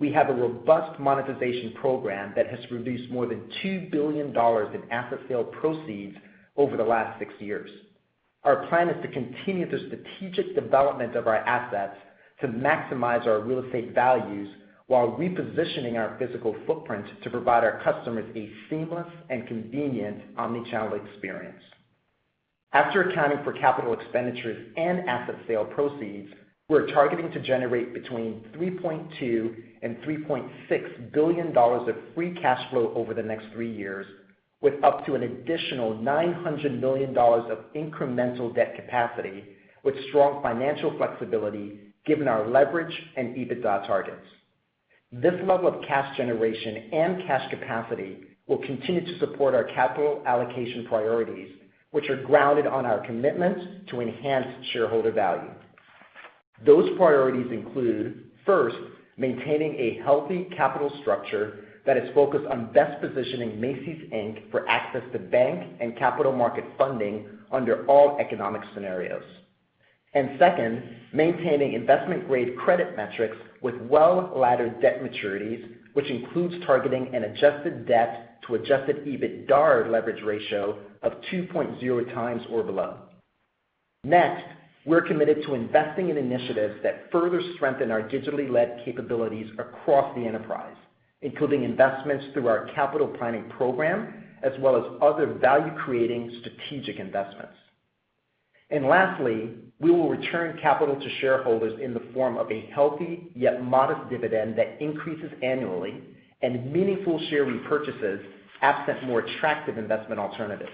We have a robust monetization program that has produced more than $2 billion in asset sale proceeds over the last 6 years. Our plan is to continue the strategic development of our assets to maximize our real estate values while repositioning our physical footprint to provide our customers a seamless and convenient omni-channel experience. After accounting for capital expenditures and asset sale proceeds, we're targeting to generate between $3.2 billion and $3.6 billion of free cash flow over the next 3 years, with up to an additional $900 million of incremental debt capacity, with strong financial flexibility given our leverage and EBITDA targets. This level of cash generation and cash capacity will continue to support our capital allocation priorities, which are grounded on our commitment to enhance shareholder value. Those priorities include, first, maintaining a healthy capital structure that is focused on best positioning Macy's, Inc for access to bank and capital market funding under all economic scenarios. Second, maintaining investment-grade credit metrics with well-laddered debt maturities, which includes targeting an adjusted debt to adjusted EBITDAR leverage ratio of 2.0x or below. Next, we're committed to investing in initiatives that further strengthen our digitally-led capabilities across the enterprise, including investments through our capital planning program, as well as other value-creating strategic investments. Lastly, we will return capital to shareholders in the form of a healthy yet modest dividend that increases annually and meaningful share repurchases absent more attractive investment alternatives.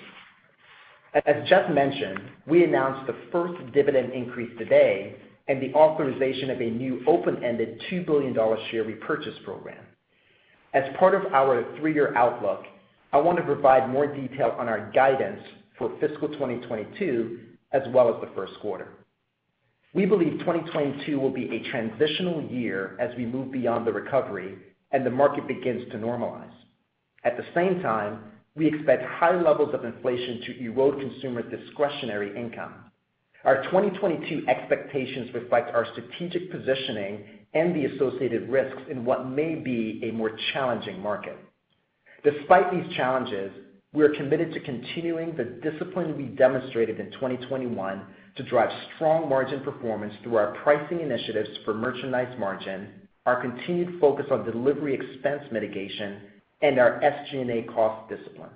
As Jeff mentioned, we announced the first dividend increase today and the authorization of a new open-ended $2 billion share repurchase program. As part of our 3-year outlook, I want to provide more detail on our guidance for fiscal 2022 as well as the first quarter. We believe 2022 will be a transitional year as we move beyond the recovery and the market begins to normalize. At the same time, we expect high levels of inflation to erode consumer discretionary income. Our 2022 expectations reflect our strategic positioning and the associated risks in what may be a more challenging market. Despite these challenges, we are committed to continuing the discipline we demonstrated in 2021 to drive strong margin performance through our pricing initiatives for merchandise margin, our continued focus on delivery expense mitigation, and our SG&A cost discipline.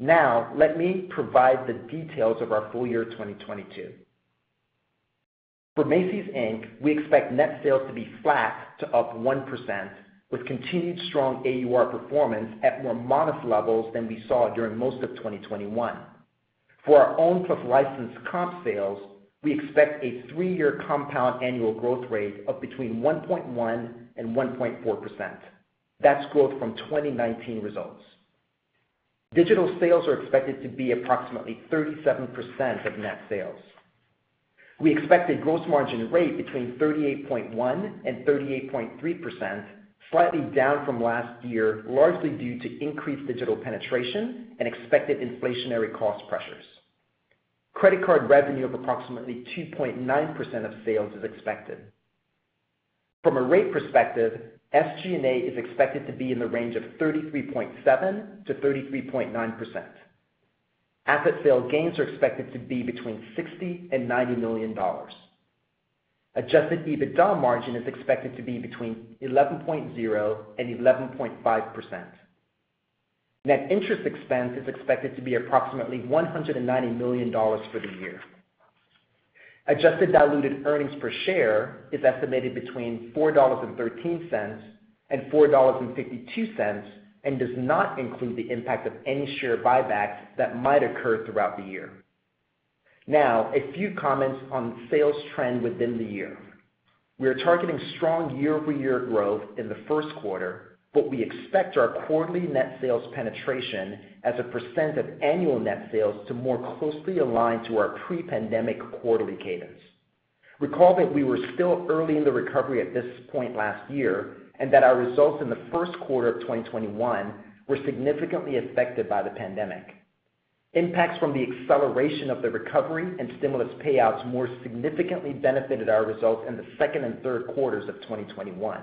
Now, let me provide the details of our full year 2022. For Macy's, Inc, we expect net sales to be flat to up 1%, with continued strong AUR performance at more modest levels than we saw during most of 2021. For our owned-plus-licensed comp sales, we expect a 3-year compound annual growth rate of between 1.1% and 1.4%. That's growth from 2019 results. Digital sales are expected to be approximately 37% of net sales. We expect a gross margin rate between 38.1% and 38.3%, slightly down from last year, largely due to increased digital penetration and expected inflationary cost pressures. Credit card revenue of approximately 2.9% of sales is expected. From a rate perspective, SG&A is expected to be in the range of 33.7%-33.9%. Asset sale gains are expected to be between $60 million and $90 million. Adjusted EBITDA margin is expected to be between 11.0% and 11.5%. Net interest expense is expected to be approximately $190 million for the year. Adjusted diluted earnings per share is estimated between $4.13 and $4.52 and does not include the impact of any share buybacks that might occur throughout the year. Now, a few comments on sales trend within the year. We are targeting strong year-over-year growth in the first quarter, but we expect our quarterly net sales penetration as a percent of annual net sales to more closely align to our pre-pandemic quarterly cadence. Recall that we were still early in the recovery at this point last year, and that our results in the first quarter of 2021 were significantly affected by the pandemic. Impacts from the acceleration of the recovery and stimulus payouts more significantly benefited our results in the second and third quarters of 2021.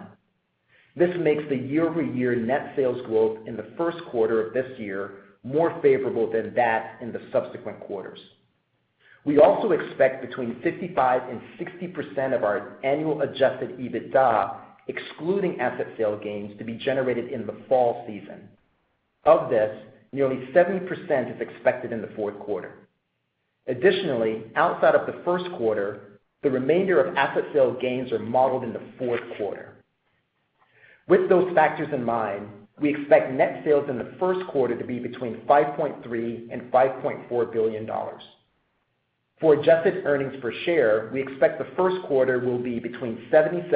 This makes the year-over-year net sales growth in the first quarter of this year more favorable than that in the subsequent quarters. We also expect between 55% and 60% of our annual adjusted EBITDA, excluding asset sale gains, to be generated in the fall season. Of this, nearly 70% is expected in the fourth quarter. Additionally, outside of the first quarter, the remainder of asset sale gains are modeled in the fourth quarter. With those factors in mind, we expect net sales in the first quarter to be between $5.3 billion and $5.4 billion. For adjusted earnings per share, we expect the first quarter will be between $0.77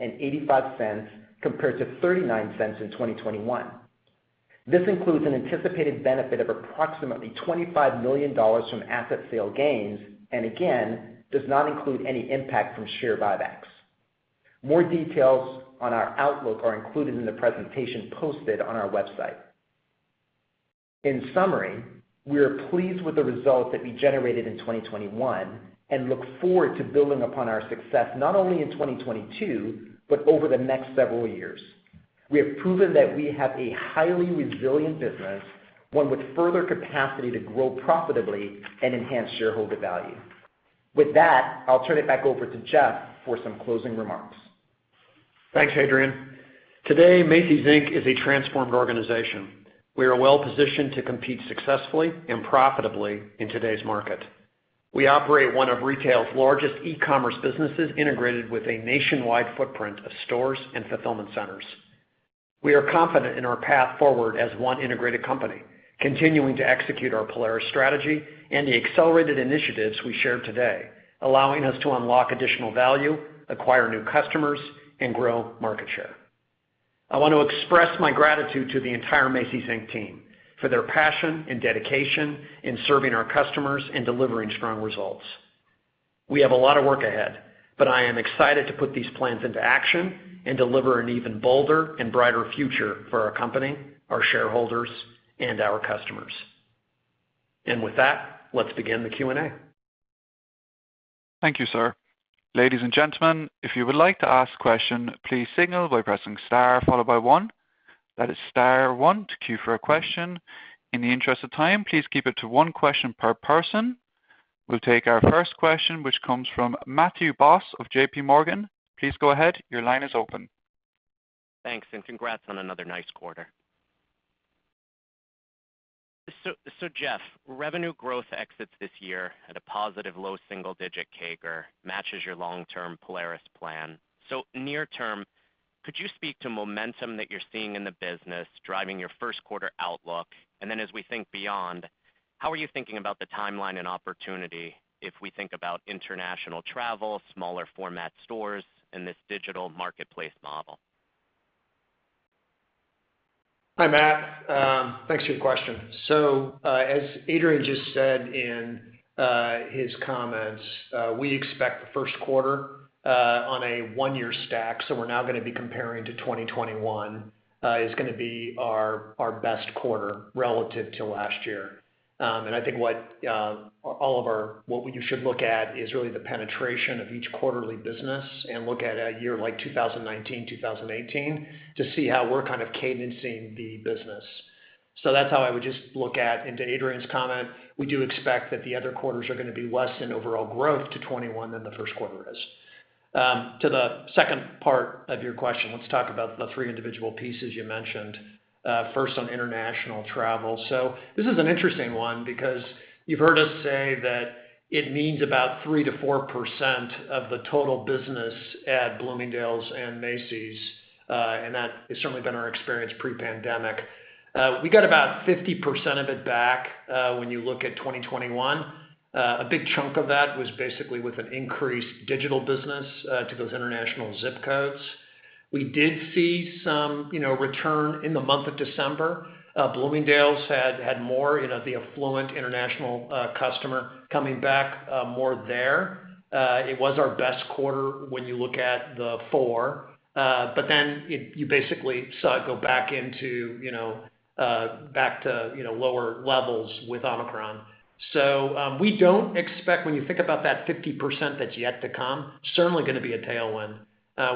and $0.85 compared to $0.39 in 2021. This includes an anticipated benefit of approximately $25 million from asset sale gains, and again, does not include any impact from share buybacks. More details on our outlook are included in the presentation posted on our website. In summary, we are pleased with the results that we generated in 2021 and look forward to building upon our success not only in 2022, but over the next several years. We have proven that we have a highly resilient business, one with further capacity to grow profitably and enhance shareholder value. With that, I'll turn it back over to Jeff for some closing remarks. Thanks, Adrian. Today, Macy's, Inc is a transformed organization. We are well-positioned to compete successfully and profitably in today's market. We operate one of retail's largest e-commerce businesses integrated with a nationwide footprint of stores and fulfillment centers. We are confident in our path forward as one integrated company, continuing to execute our Polaris strategy and the accelerated initiatives we shared today, allowing us to unlock additional value, acquire new customers, and grow market share. I want to express my gratitude to the entire Macy's, Inc team for their passion and dedication in serving our customers and delivering strong results. We have a lot of work ahead, but I am excited to put these plans into action and deliver an even bolder and brighter future for our company, our shareholders, and our customers. With that, let's begin the Q&A. Thank you, sir. Ladies and gentlemen, if you would like to ask a question, please signal by pressing star followed by one. That is star one to queue for a question. In the interest of time, please keep it to one question per person. We'll take our first question, which comes from Matthew Boss of JPMorgan. Please go ahead. Your line is open. Thanks, and congrats on another nice quarter. Jeff, revenue growth exits this year at a positive low single-digit CAGR, matches your long-term Polaris plan. Near term, could you speak to momentum that you're seeing in the business driving your first quarter outlook? And then as we think beyond, how are you thinking about the timeline and opportunity if we think about international travel, smaller format stores, and this digital marketplace model? Hi, Matt. Thanks for your question. As Adrian just said in his comments, we expect the first quarter on a 1-year stack, so we're now gonna be comparing to 2021, is gonna be our best quarter relative to last year. I think what we should look at is really the penetration of each quarterly business and look at a year like 2019, 2018 to see how we're kind of cadencing the business. That's how I would just look into Adrian's comment. We do expect that the other quarters are gonna be less in overall growth to 2021 than the first quarter is. To the second part of your question, let's talk about the three individual pieces you mentioned, first on international travel. This is an interesting one because you've heard us say that it means about 3%-4% of the total business at Bloomingdale's and Macy's, and that has certainly been our experience pre-pandemic. We got about 50% of it back when you look at 2021. A big chunk of that was basically with an increased digital business to those international zip codes. We did see some, you know, return in the month of December. Bloomingdale's had more, you know, the affluent international customer coming back more there. It was our best quarter when you look at the four, but then you basically saw it go back into, you know, back to, you know, lower levels with Omicron. We don't expect when you think about that 50% that's yet to come, certainly gonna be a tailwind.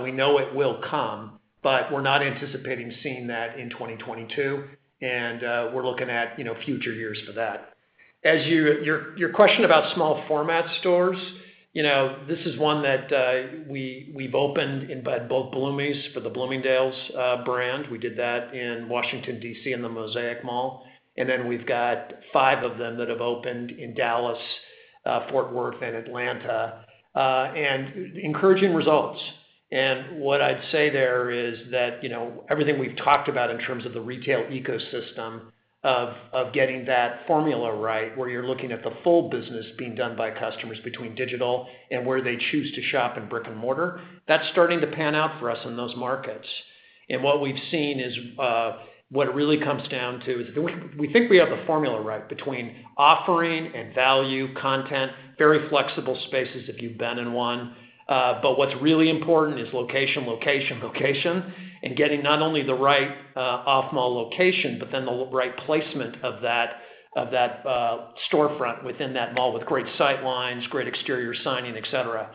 We know it will come, but we're not anticipating seeing that in 2022, and we're looking at, you know, future years for that. As your question about small format stores, you know, this is one that we've opened including both Bloomie's for the Bloomingdale's brand. We did that in Washington, D.C., in the Mosaic mall. We've got five of them that have opened in Dallas, Fort Worth, and Atlanta with encouraging results. What I'd say there is that, you know, everything we've talked about in terms of the retail ecosystem of getting that formula right, where you're looking at the full business being done by customers between digital and where they choose to shop in brick and mortar, that's starting to pan out for us in those markets. What we've seen is what it really comes down to is we think we have the formula right between offering and value, content, very flexible spaces if you've been in one. But what's really important is location, location, and getting not only the right off-mall location, but then the right placement of that storefront within that mall with great sight lines, great exterior signage, etc.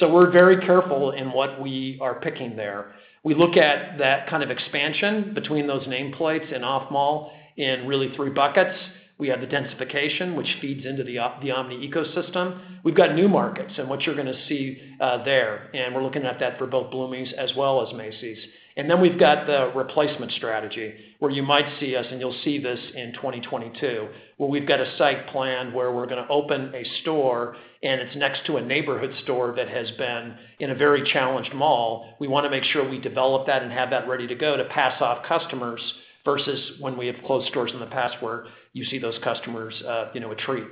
We're very careful in what we are picking there. We look at that kind of expansion between those nameplates and off-mall in really three buckets. We have the densification, which feeds into the omni ecosystem. We've got new markets and what you're gonna see there, and we're looking at that for both Bloomingdale's as well as Macy's. Then we've got the replacement strategy, where you might see us, and you'll see this in 2022, where we've got a site planned where we're gonna open a store, and it's next to a neighborhood store that has been in a very challenged mall. We wanna make sure we develop that and have that ready to go to pass off customers versus when we have closed stores in the past where you see those customers retreat.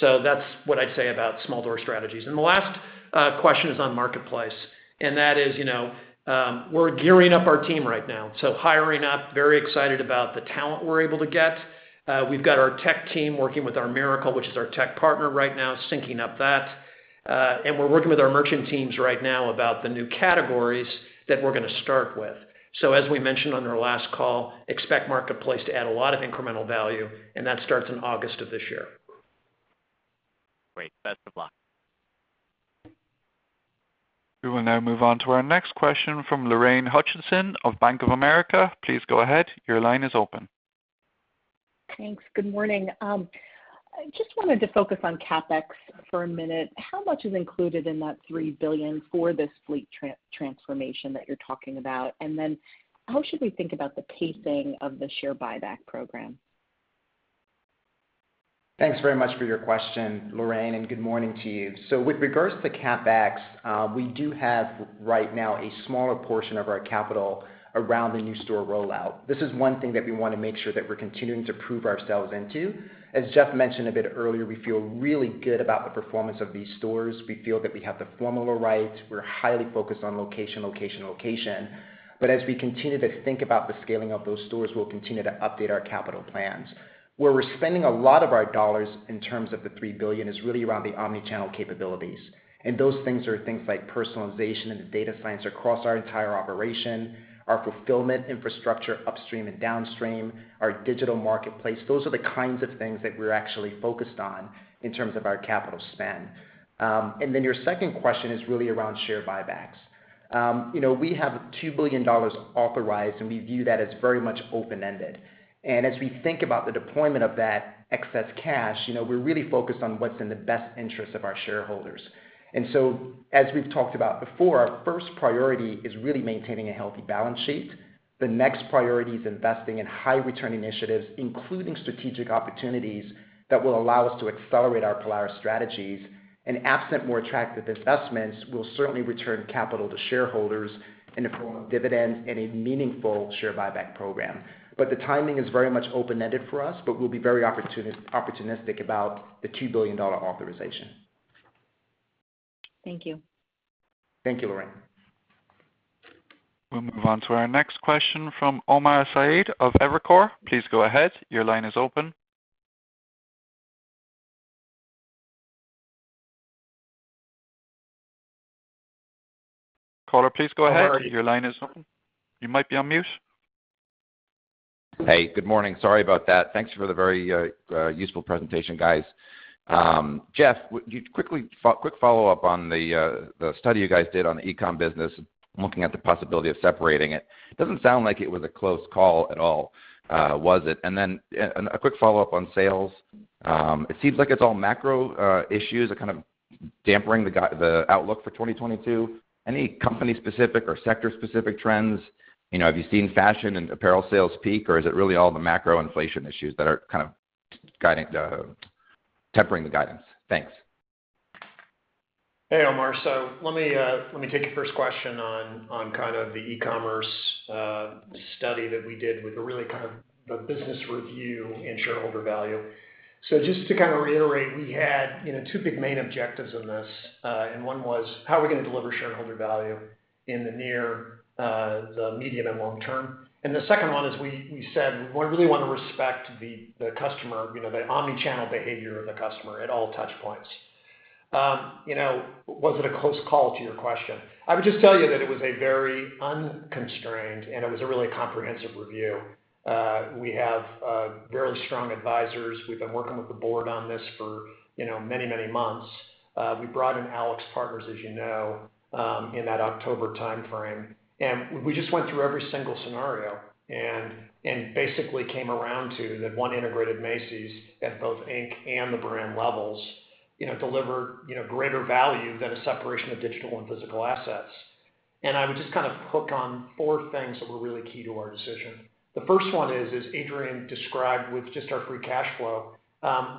That's what I'd say about small store strategies. The last question is on Marketplace. That is, you know, we're gearing up our team right now. Hiring up, very excited about the talent we're able to get. We've got our tech team working with our Mirakl, which is our tech partner right now, syncing up that. We're working with our merchant teams right now about the new categories that we're gonna start with. As we mentioned on our last call, expect Marketplace to add a lot of incremental value, and that starts in August of this year. Great. Best of luck. We will now move on to our next question from Lorraine Hutchinson of Bank of America. Please go ahead. Your line is open. Thanks. Good morning. I just wanted to focus on CapEx for a minute. How much is included in that $3 billion for this fleet transformation that you're talking about? And then how should we think about the pacing of the share buyback program? Thanks very much for your question, Lorraine, and good morning to you. With regards to CapEx, we do have right now a smaller portion of our capital around the new store rollout. This is one thing that we wanna make sure that we're continuing to prove ourselves into. As Jeff mentioned a bit earlier, we feel really good about the performance of these stores. We feel that we have the formula right. We're highly focused on location, location. As we continue to think about the scaling of those stores, we'll continue to update our capital plans. Where we're spending a lot of our dollars in terms of the $3 billion is really around the omni-channel capabilities. Those things are things like personalization and the data science across our entire operation, our fulfillment infrastructure, upstream and downstream, our digital marketplace. Those are the kinds of things that we're actually focused on in terms of our capital spend. Your second question is really around share buybacks. You know, we have $2 billion authorized, and we view that as very much open-ended. As we think about the deployment of that excess cash, you know, we're really focused on what's in the best interest of our shareholders. As we've talked about before, our first priority is really maintaining a healthy balance sheet. The next priority is investing in high return initiatives, including strategic opportunities that will allow us to accelerate our Polaris strategies. Absent more attractive investments, we'll certainly return capital to shareholders in the form of dividends and a meaningful share buyback program. The timing is very much open-ended for us, but we'll be very opportunistic about the $2 billion authorization. Thank you. Thank you, Lorraine. We'll move on to our next question from Omar Saad of Evercore. Please go ahead. Your line is open. Caller, please go ahead. Hello, are you? Your line is open. You might be on mute. Hey, good morning. Sorry about that. Thanks for the very useful presentation, guys. Jeff, would you quickly quick follow-up on the study you guys did on the e-com business, looking at the possibility of separating it. It doesn't sound like it was a close call at all, was it? A quick follow-up on sales. It seems like it's all macro issues are kind of dampening the outlook for 2022. Any company specific or sector specific trends? You know, have you seen fashion and apparel sales peak, or is it really all the macro inflation issues that are kind of tempering the guidance? Thanks. Hey, Omar. Let me take your first question on kind of the e-commerce study that we did with the really kind of business review and shareholder value. Just to kind of reiterate, we had, you know, two big main objectives in this. One was, how are we gonna deliver shareholder value in the near, the medium and long term? The second one is we said we really wanna respect the customer, you know, the omni-channel behavior of the customer at all touch points. You know, was it a close call to your question? I would just tell you that it was a very unconstrained, and it was a really comprehensive review. We have very strong advisors. We've been working with the Board on this for, you know, many months. We brought in AlixPartners, as you know, in that October timeframe. We just went through every single scenario and basically came around to that one integrated Macy's, Inc, and the brand levels, you know, deliver, you know, greater value than a separation of digital and physical assets. I would just kind of hook on four things that were really key to our decision. The first one is, as Adrian described with just our free cash flow,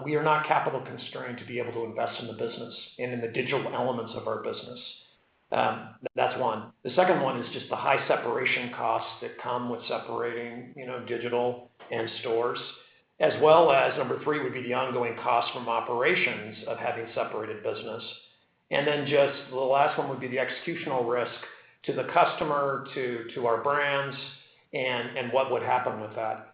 we are not capital-constrained to be able to invest in the business and in the digital elements of our business. That's one. The second one is just the high separation costs that come with separating, you know, digital and stores, as well as number three would be the ongoing cost from operations of having separated business. Then just the last one would be the executional risk to the customer, to our brands, and what would happen with that.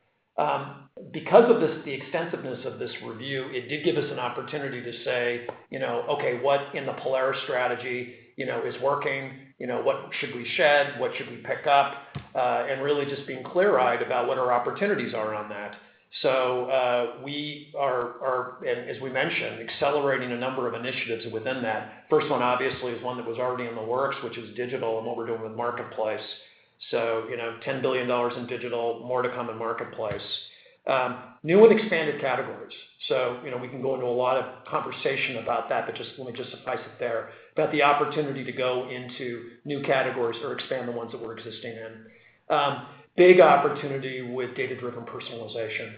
Because of this, the extensiveness of this review, it did give us an opportunity to say, you know, okay, what in the Polaris strategy, you know, is working? You know, what should we shed, what should we pick up? And really just being clear-eyed about what our opportunities are on that. We are, and as we mentioned, accelerating a number of initiatives within that. First one, obviously, is one that was already in the works, which is digital and what we're doing with Marketplace. You know, $10 billion in digital, more to come in Marketplace. New and expanded categories. You know, we can go into a lot of conversation about that, but just let me suffice it there. About the opportunity to go into new categories or expand the ones that we're existing in. Big opportunity with data-driven personalization.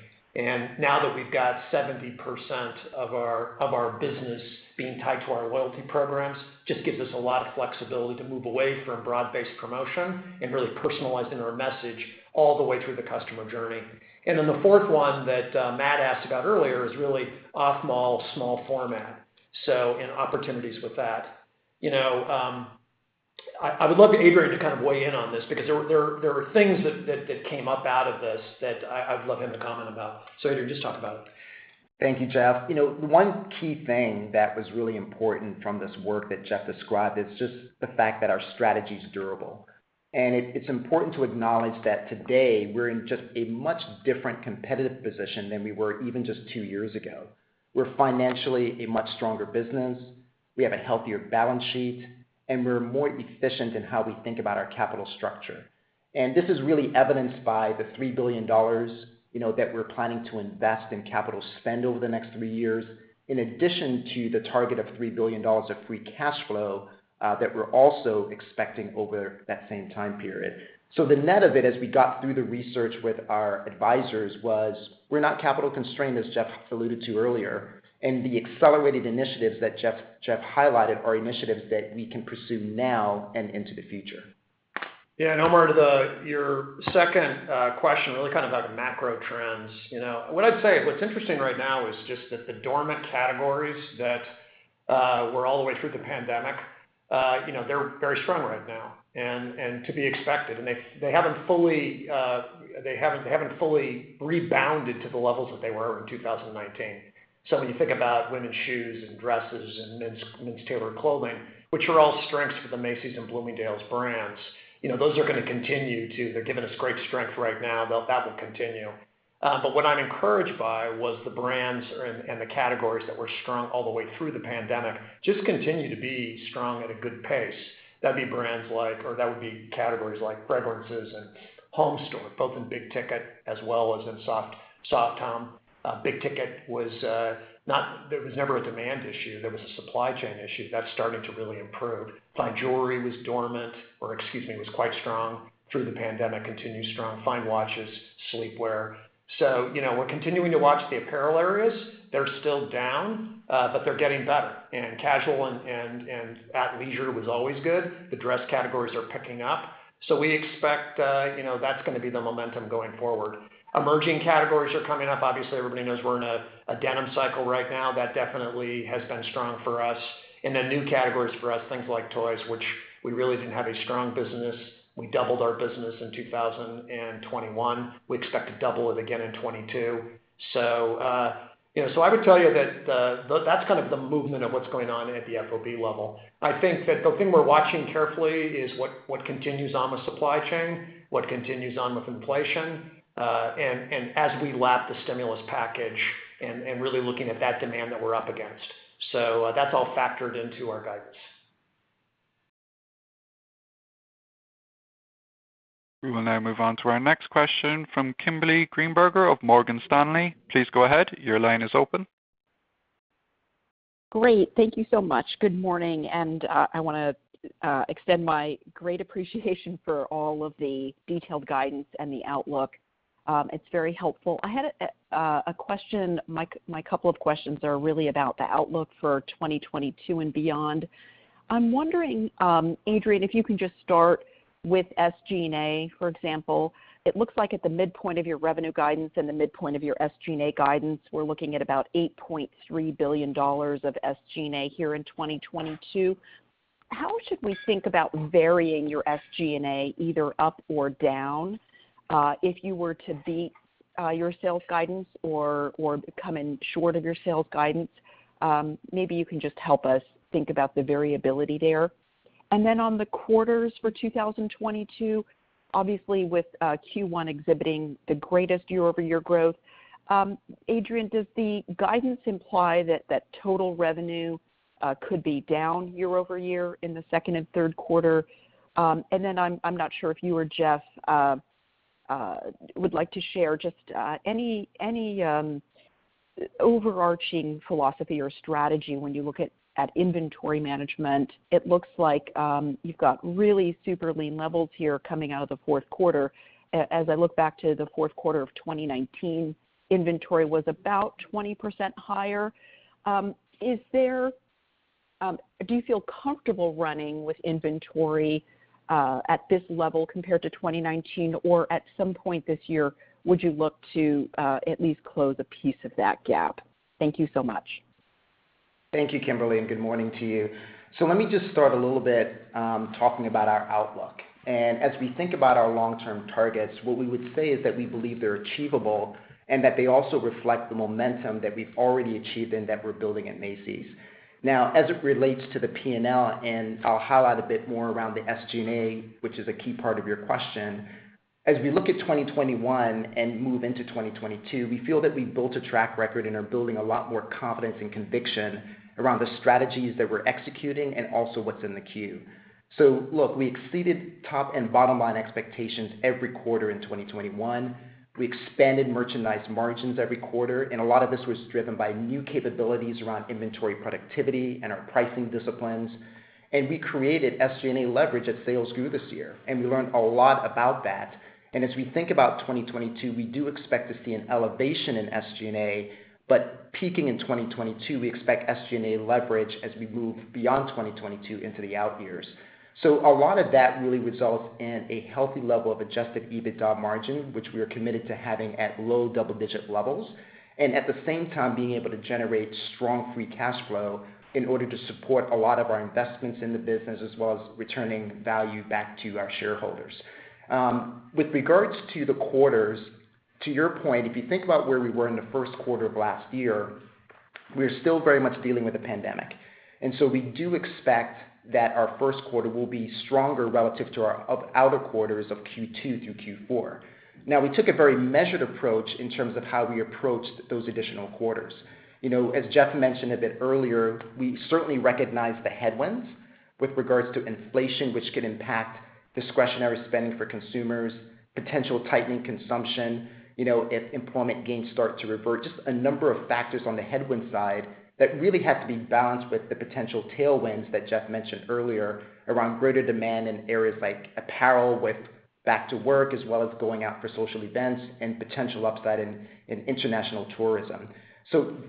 Now that we've got 70% of our business being tied to our loyalty programs, just gives us a lot of flexibility to move away from broad-based promotion and really personalizing our message all the way through the customer journey. The fourth one that Matt asked about earlier is really off-mall small format and opportunities with that. You know, I would love Adrian to kind of weigh in on this because there were things that came up out of this that I would love him to comment about. Adrian, just talk about it. Thank you, Jeff. You know, one key thing that was really important from this work that Jeff described is just the fact that our strategy is durable. It's important to acknowledge that today we're in just a much different competitive position than we were even just 2 years ago. We're financially a much stronger business. We have a healthier balance sheet, and we're more efficient in how we think about our capital structure. This is really evidenced by the $3 billion, you know, that we're planning to invest in capital spend over the next 3 years, in addition to the target of $3 billion of free cash flow that we're also expecting over that same time period. The net of it, as we got through the research with our advisors, was we're not capital constrained, as Jeff alluded to earlier, and the accelerated initiatives that Jeff highlighted are initiatives that we can pursue now and into the future. Yeah, Omar, your second question really kind of about macro trends. You know, what I'd say, what's interesting right now is just that the dormant categories that were all the way through the pandemic, you know, they're very strong right now and to be expected. They haven't fully rebounded to the levels that they were in 2019. So when you think about women's shoes and dresses and men's tailored clothing, which are all strengths for the Macy's and Bloomingdale's brands, you know, those are gonna continue. They're giving us great strength right now. That will continue. What I'm encouraged by was the brands and the categories that were strong all the way through the pandemic just continue to be strong at a good pace. That'd be brands like, or that would be categories like fragrances and home store, both in big-ticket as well as in soft home. There was never a demand issue. There was a supply chain issue. That's starting to really improve. Fine jewelry was dormant, or excuse me, was quite strong through the pandemic, continues strong. Fine watches, sleepwear. You know, we're continuing to watch the apparel areas. They're still down, but they're getting better. Casual and athleisure was always good. The dress categories are picking up. We expect, you know, that's gonna be the momentum going forward. Emerging categories are coming up. Obviously, everybody knows we're in a denim cycle right now. That definitely has been strong for us. New categories for us, things like toys, which we really didn't have a strong business. We doubled our business in 2021. We expect to double it again in 2022. You know, I would tell you that that's kind of the movement of what's going on at the FOB level. I think that the thing we're watching carefully is what continues on with supply chain, what continues on with inflation, and as we lap the stimulus package and really looking at that demand that we're up against. That's all factored into our guidance. We will now move on to our next question from Kimberly Greenberger of Morgan Stanley. Please go ahead. Your line is open. Great. Thank you so much. Good morning, and I wanna extend my great appreciation for all of the detailed guidance and the outlook. It's very helpful. I had a question. My couple of questions are really about the outlook for 2022 and beyond. I'm wondering, Adrian, if you can just start with SG&A, for example. It looks like at the midpoint of your revenue guidance and the midpoint of your SG&A guidance, we're looking at about $8.3 billion of SG&A here in 2022. How should we think about varying your SG&A either up or down, if you were to beat your sales guidance or come in short of your sales guidance? Maybe you can just help us think about the variability there. On the quarters for 2022, obviously with Q1 exhibiting the greatest year-over-year growth, Adrian, does the guidance imply that total revenue could be down year-over-year in the second and third quarter? I'm not sure if you or Jeff would like to share just any overarching philosophy or strategy when you look at inventory management. It looks like you've got really super lean levels here coming out of the fourth quarter. As I look back to the fourth quarter of 2019, inventory was about 20% higher. Do you feel comfortable running with inventory at this level compared to 2019? Or at some point this year, would you look to at least close a piece of that gap? Thank you so much. Thank you, Kimberly, and good morning to you. Let me just start a little bit talking about our outlook. As we think about our long-term targets, what we would say is that we believe they're achievable and that they also reflect the momentum that we've already achieved and that we're building at Macy's. Now, as it relates to the P&L, and I'll highlight a bit more around the SG&A, which is a key part of your question, as we look at 2021 and move into 2022, we feel that we've built a track record and are building a lot more confidence and conviction around the strategies that we're executing and also what's in the queue. Look, we exceeded top and bottom line expectations every quarter in 2021. We expanded merchandise margins every quarter, and a lot of this was driven by new capabilities around inventory productivity and our pricing disciplines. We created SG&A leverage as sales grew this year, and we learned a lot about that. As we think about 2022, we do expect to see an elevation in SG&A, but peaking in 2022, we expect SG&A leverage as we move beyond 2022 into the out years. A lot of that really results in a healthy level of adjusted EBITDA margin, which we are committed to having at low double-digit levels. At the same time, being able to generate strong free cash flow in order to support a lot of our investments in the business, as well as returning value back to our shareholders. With regards to the quarters, to your point, if you think about where we were in the first quarter of last year, we're still very much dealing with the pandemic. We do expect that our first quarter will be stronger relative to our other quarters of Q2 through Q4. Now, we took a very measured approach in terms of how we approached those additional quarters. You know, as Jeff mentioned a bit earlier, we certainly recognize the headwinds with regards to inflation, which could impact discretionary spending for consumers, potential tightening consumption, you know, if employment gains start to revert. Just a number of factors on the headwind side that really have to be balanced with the potential tailwinds that Jeff mentioned earlier around greater demand in areas like apparel with back to work, as well as going out for social events and potential upside in international tourism.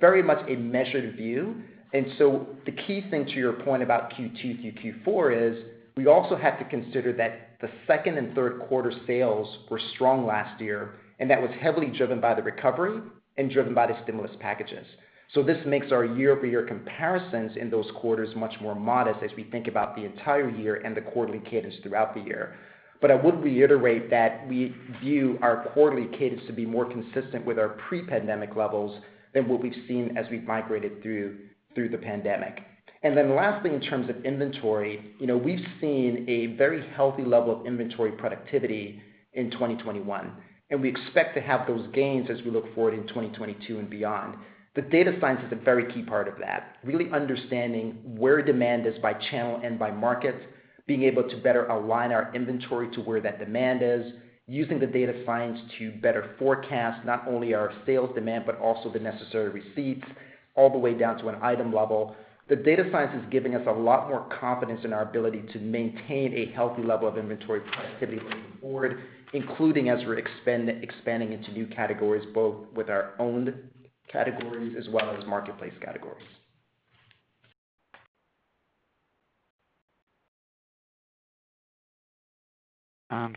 Very much a measured view. The key thing to your point about Q2 through Q4 is we also have to consider that the second and third quarter sales were strong last year, and that was heavily driven by the recovery and driven by the stimulus packages. This makes our year-over-year comparisons in those quarters much more modest as we think about the entire year and the quarterly cadence throughout the year. I would reiterate that we view our quarterly cadence to be more consistent with our pre-pandemic levels than what we've seen as we've migrated through the pandemic. Then lastly, in terms of inventory, you know, we've seen a very healthy level of inventory productivity in 2021, and we expect to have those gains as we look forward in 2022 and beyond. Data science is a very key part of that, really understanding where demand is by channel and by market, being able to better align our inventory to where that demand is, using the data science to better forecast not only our sales demand, but also the necessary receipts all the way down to an item level. The data science is giving us a lot more confidence in our ability to maintain a healthy level of inventory productivity going forward, including as we're expanding into new categories, both with our own categories as well as marketplace categories.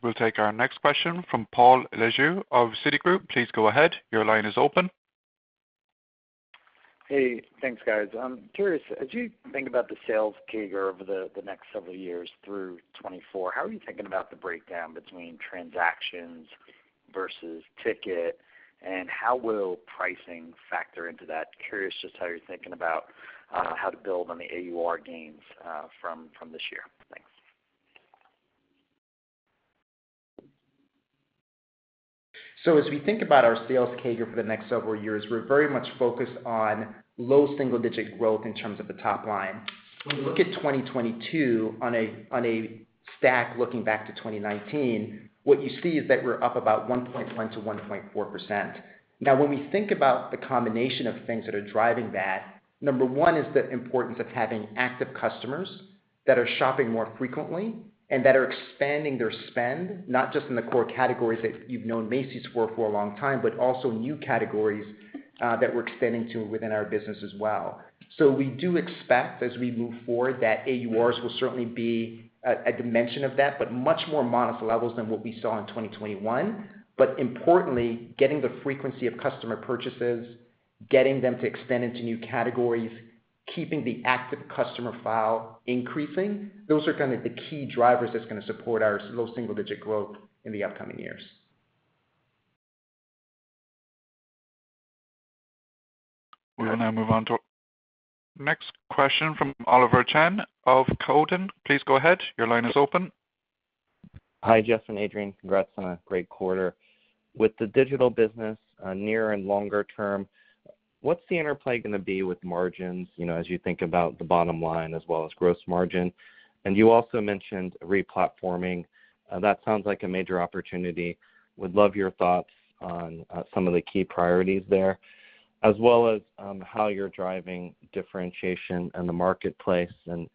We'll take our next question from Paul Lejuez of Citigroup. Please go ahead. Your line is open. Hey, thanks, guys. I'm curious, as you think about the sales CAGR over the next several years through 2024, how are you thinking about the breakdown between transactions versus ticket, and how will pricing factor into that? Curious just how you're thinking about how to build on the AUR gains from this year. Thanks. As we think about our sales CAGR for the next several years, we're very much focused on low single digit growth in terms of the top line. When we look at 2022 on a stack looking back to 2019, what you see is that we're up about 1.1%-1.4%. Now, when we think about the combination of things that are driving that, number one is the importance of having active customers that are shopping more frequently and that are expanding their spend, not just in the core categories that you've known Macy's for a long time, but also new categories that we're expanding to within our business as well. We do expect as we move forward, that AURs will certainly be a dimension of that, but much more modest levels than what we saw in 2021. Importantly, getting the frequency of customer purchases, getting them to expand into new categories, keeping the active customer file increasing, those are the key drivers that's gonna support our low single digit growth in the upcoming years. We will now move on to next question from Oliver Chen of Cowen. Please go ahead. Your line is open. Hi, Jeff and Adrian. Congrats on a great quarter. With the digital business, near and longer term, what's the interplay gonna be with margins, you know, as you think about the bottom line as well as gross margin? You also mentioned re-platforming. That sounds like a major opportunity. Would love your thoughts on some of the key priorities there, as well as how you're driving differentiation in the marketplace, and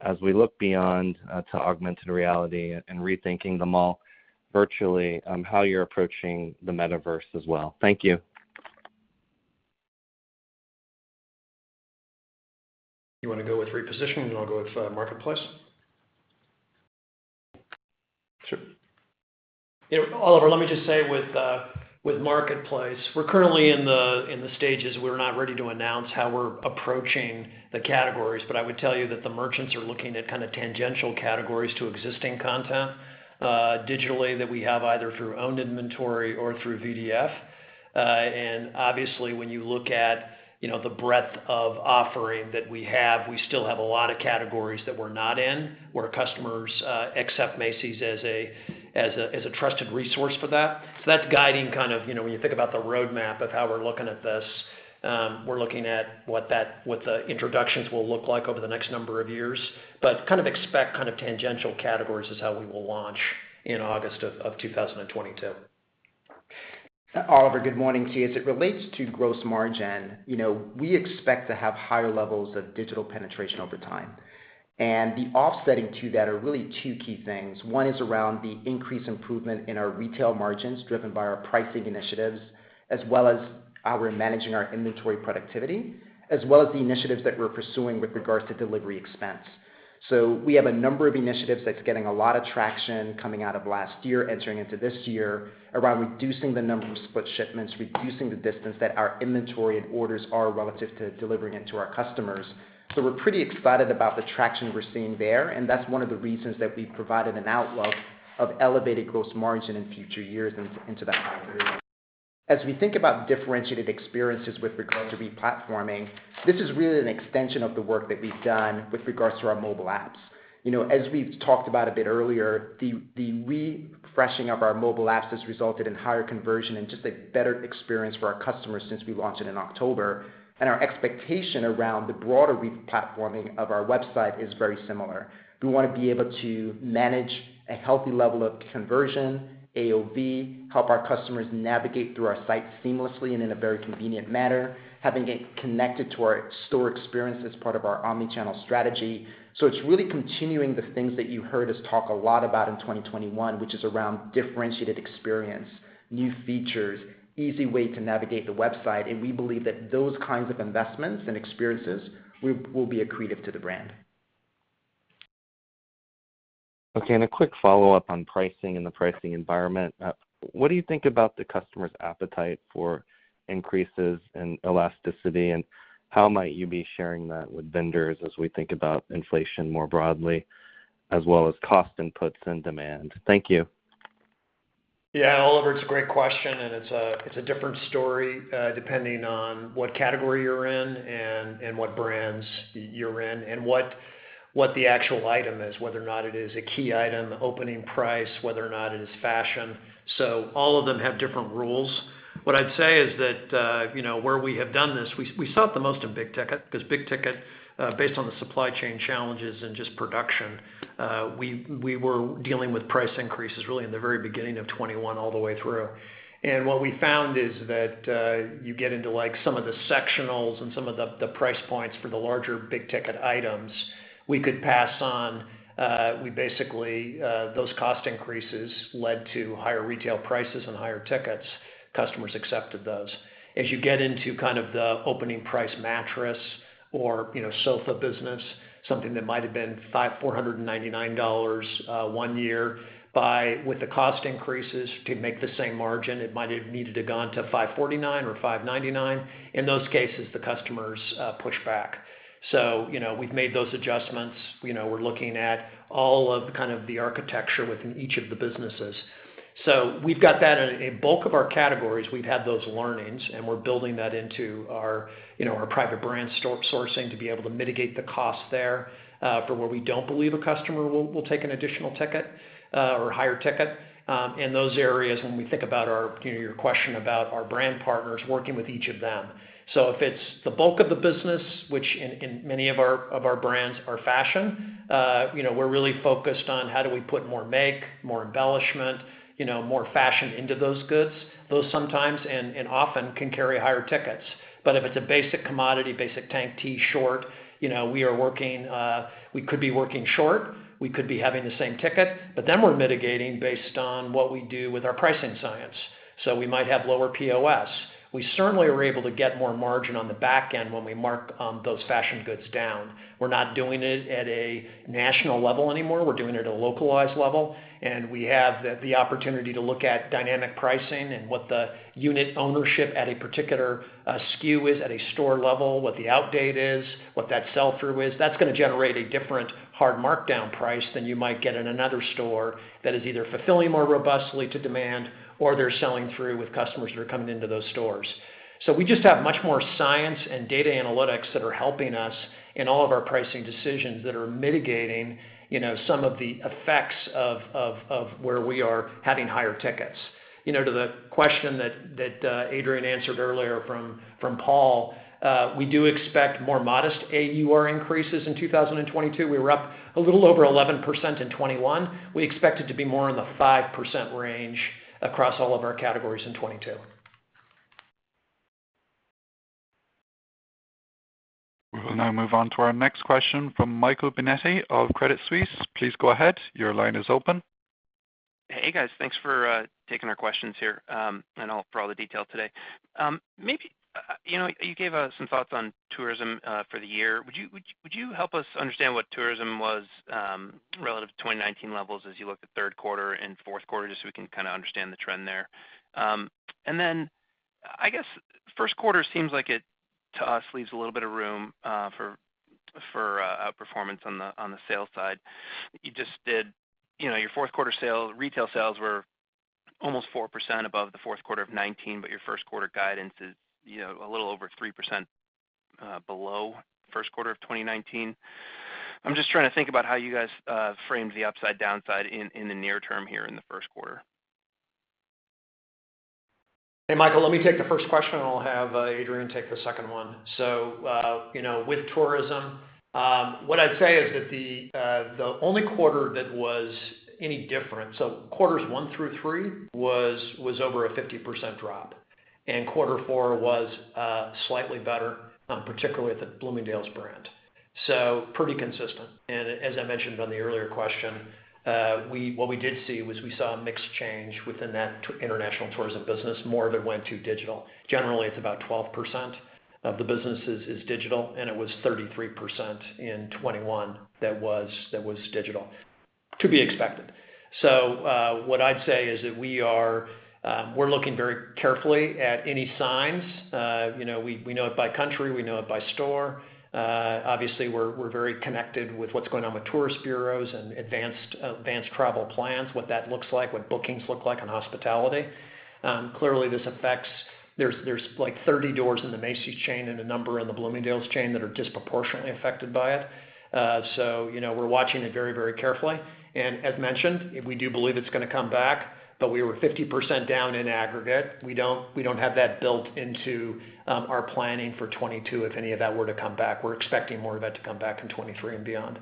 as we look beyond to augmented reality and rethinking the mall virtually, how you're approaching the metaverse as well. Thank you. You wanna go with repositioning, and I'll go with marketplace? Yeah. Oliver, let me just say with Marketplace, we're currently in the stages. We're not ready to announce how we're approaching the categories, but I would tell you that the merchants are looking at kind of tangential categories to existing content digitally that we have either through owned inventory or through VDF. Obviously, when you look at, you know, the breadth of offering that we have, we still have a lot of categories that we're not in, where customers accept Macy's as a trusted resource for that. That's guiding kind of, you know, when you think about the roadmap of how we're looking at this. We're looking at what the introductions will look like over the next number of years. Kind of expect kind of tangential categories is how we will launch in August of 2022. Oliver, good morning to you. As it relates to gross margin, you know, we expect to have higher levels of digital penetration over time. The offsetting to that are really two key things. One is around the increased improvement in our retail margins, driven by our pricing initiatives, as well as how we're managing our inventory productivity, as well as the initiatives that we're pursuing with regards to delivery expense. We have a number of initiatives that's getting a lot of traction coming out of last year, entering into this year, around reducing the number of split shipments, reducing the distance that our inventory and orders are relative to delivering it to our customers. We're pretty excited about the traction we're seeing there, and that's one of the reasons that we've provided an outlook of elevated gross margin in future years into that higher period. As we think about differentiated experiences with regards to re-platforming, this is really an extension of the work that we've done with regards to our mobile apps. You know, as we've talked about a bit earlier, the refreshing of our mobile apps has resulted in higher conversion and just a better experience for our customers since we launched it in October. Our expectation around the broader re-platforming of our website is very similar. We wanna be able to manage a healthy level of conversion, AOV, help our customers navigate through our site seamlessly and in a very convenient manner, having it connected to our store experience as part of our omni-channel strategy. It's really continuing the things that you heard us talk a lot about in 2021, which is around differentiated experience, new features, easy way to navigate the website, and we believe that those kinds of investments and experiences will be accretive to the brand. Okay. A quick follow-up on pricing and the pricing environment. What do you think about the customer's appetite for increases in elasticity, and how might you be sharing that with vendors as we think about inflation more broadly, as well as cost inputs and demand? Thank you. Yeah. Oliver, it's a great question, and it's a different story depending on what category you're in and what brands you're in and what the actual item is, whether or not it is a key item, opening price, whether or not it is fashion. So all of them have different rules. What I'd say is that you know, where we have done this, we saw it the most in big ticket, 'cause big ticket based on the supply chain challenges and just production, we were dealing with price increases really in the very beginning of 2021 all the way through. What we found is that you get into, like, some of the sectionals and some of the price points for the larger big ticket items we could pass on. Those cost increases led to higher retail prices and higher tickets. Customers accepted those. As you get into kind of the opening price mattress or, you know, sofa business, something that might have been $499 1 year, with the cost increases to make the same margin, it might have needed to gone to $549 or $599. In those cases, the customers push back. You know, we've made those adjustments. You know, we're looking at all of kind of the architecture within each of the businesses. We've got that in a bulk of our categories. We've had those learnings, and we're building that into our, you know, private brand store sourcing to be able to mitigate the cost there, for where we don't believe a customer will take an additional ticket, or higher ticket, in those areas when we think about our, you know, your question about our brand partners, working with each of them. If it's the bulk of the business, which in many of our brands are fashion, you know, we're really focused on how do we put more, make more embellishment, you know, more fashion into those goods. Those sometimes, and often, can carry higher tickets. If it's a basic commodity, basic tank, tee, short, you know, we could be working short. We could be having the same ticket, but then we're mitigating based on what we do with our pricing science. We might have lower POS. We certainly are able to get more margin on the back end when we mark those fashion goods down. We're not doing it at a national level anymore. We're doing it at a localized level, and we have the opportunity to look at dynamic pricing and what the unit ownership at a particular SKU is at a store level, what the outdate is, what that sell-through is. That's gonna generate a different hard markdown price than you might get in another store that is either fulfilling more robustly to demand or they're selling through with customers that are coming into those stores. We just have much more science and data analytics that are helping us in all of our pricing decisions that are mitigating, you know, some of the effects of where we are having higher tickets. You know, to the question that Adrian answered earlier from Paul, we do expect more modest AUR increases in 2022. We were up a little over 11% in 2021. We expect it to be more in the 5% range across all of our categories in 2022. We will now move on to our next question from Michael Binetti of Credit Suisse. Please go ahead. Your line is open. Hey, guys. Thanks for taking our questions here and for all the detail today. You know, you gave us some thoughts on tourism for the year. Would you help us understand what tourism was relative to 2019 levels as you look at third quarter and fourth quarter, just so we can kinda understand the trend there? And then I guess first quarter seems like it, to us, leaves a little bit of room for outperformance on the sales side. You just did, you know, your fourth quarter retail sales were almost 4% above the fourth quarter of 2019, but your first quarter guidance is, you know, a little over 3% below first quarter of 2019. I'm just trying to think about how you guys frame the upside downside in the near term here in the first quarter. Hey, Michael, let me take the first question, and I'll have Adrian take the second one. You know, with tourism, what I'd say is that the only quarter that was any different, quarters one through three was over a 50% drop, and quarter four was slightly better, particularly at the Bloomingdale's brand. Pretty consistent. As I mentioned on the earlier question, what we did see was we saw a mix change within that international tourism business, more of it went to digital. Generally, it's about 12% of the business is digital, and it was 33% in 2021 that was digital. To be expected. What I'd say is that we are, we're looking very carefully at any signs. You know, we know it by country. We know it by store. Obviously we're very connected with what's going on with tourist bureaus and advanced travel plans, what that looks like, what bookings look like in hospitality. Clearly this affects. There's like 30 doors in the Macy's chain and a number in the Bloomingdale's chain that are disproportionately affected by it. So, you know, we're watching it very carefully. As mentioned, we do believe it's gonna come back, but we were 50% down in aggregate. We don't have that built into our planning for 2022, if any of that were to come back. We're expecting more of it to come back in 2023 and beyond.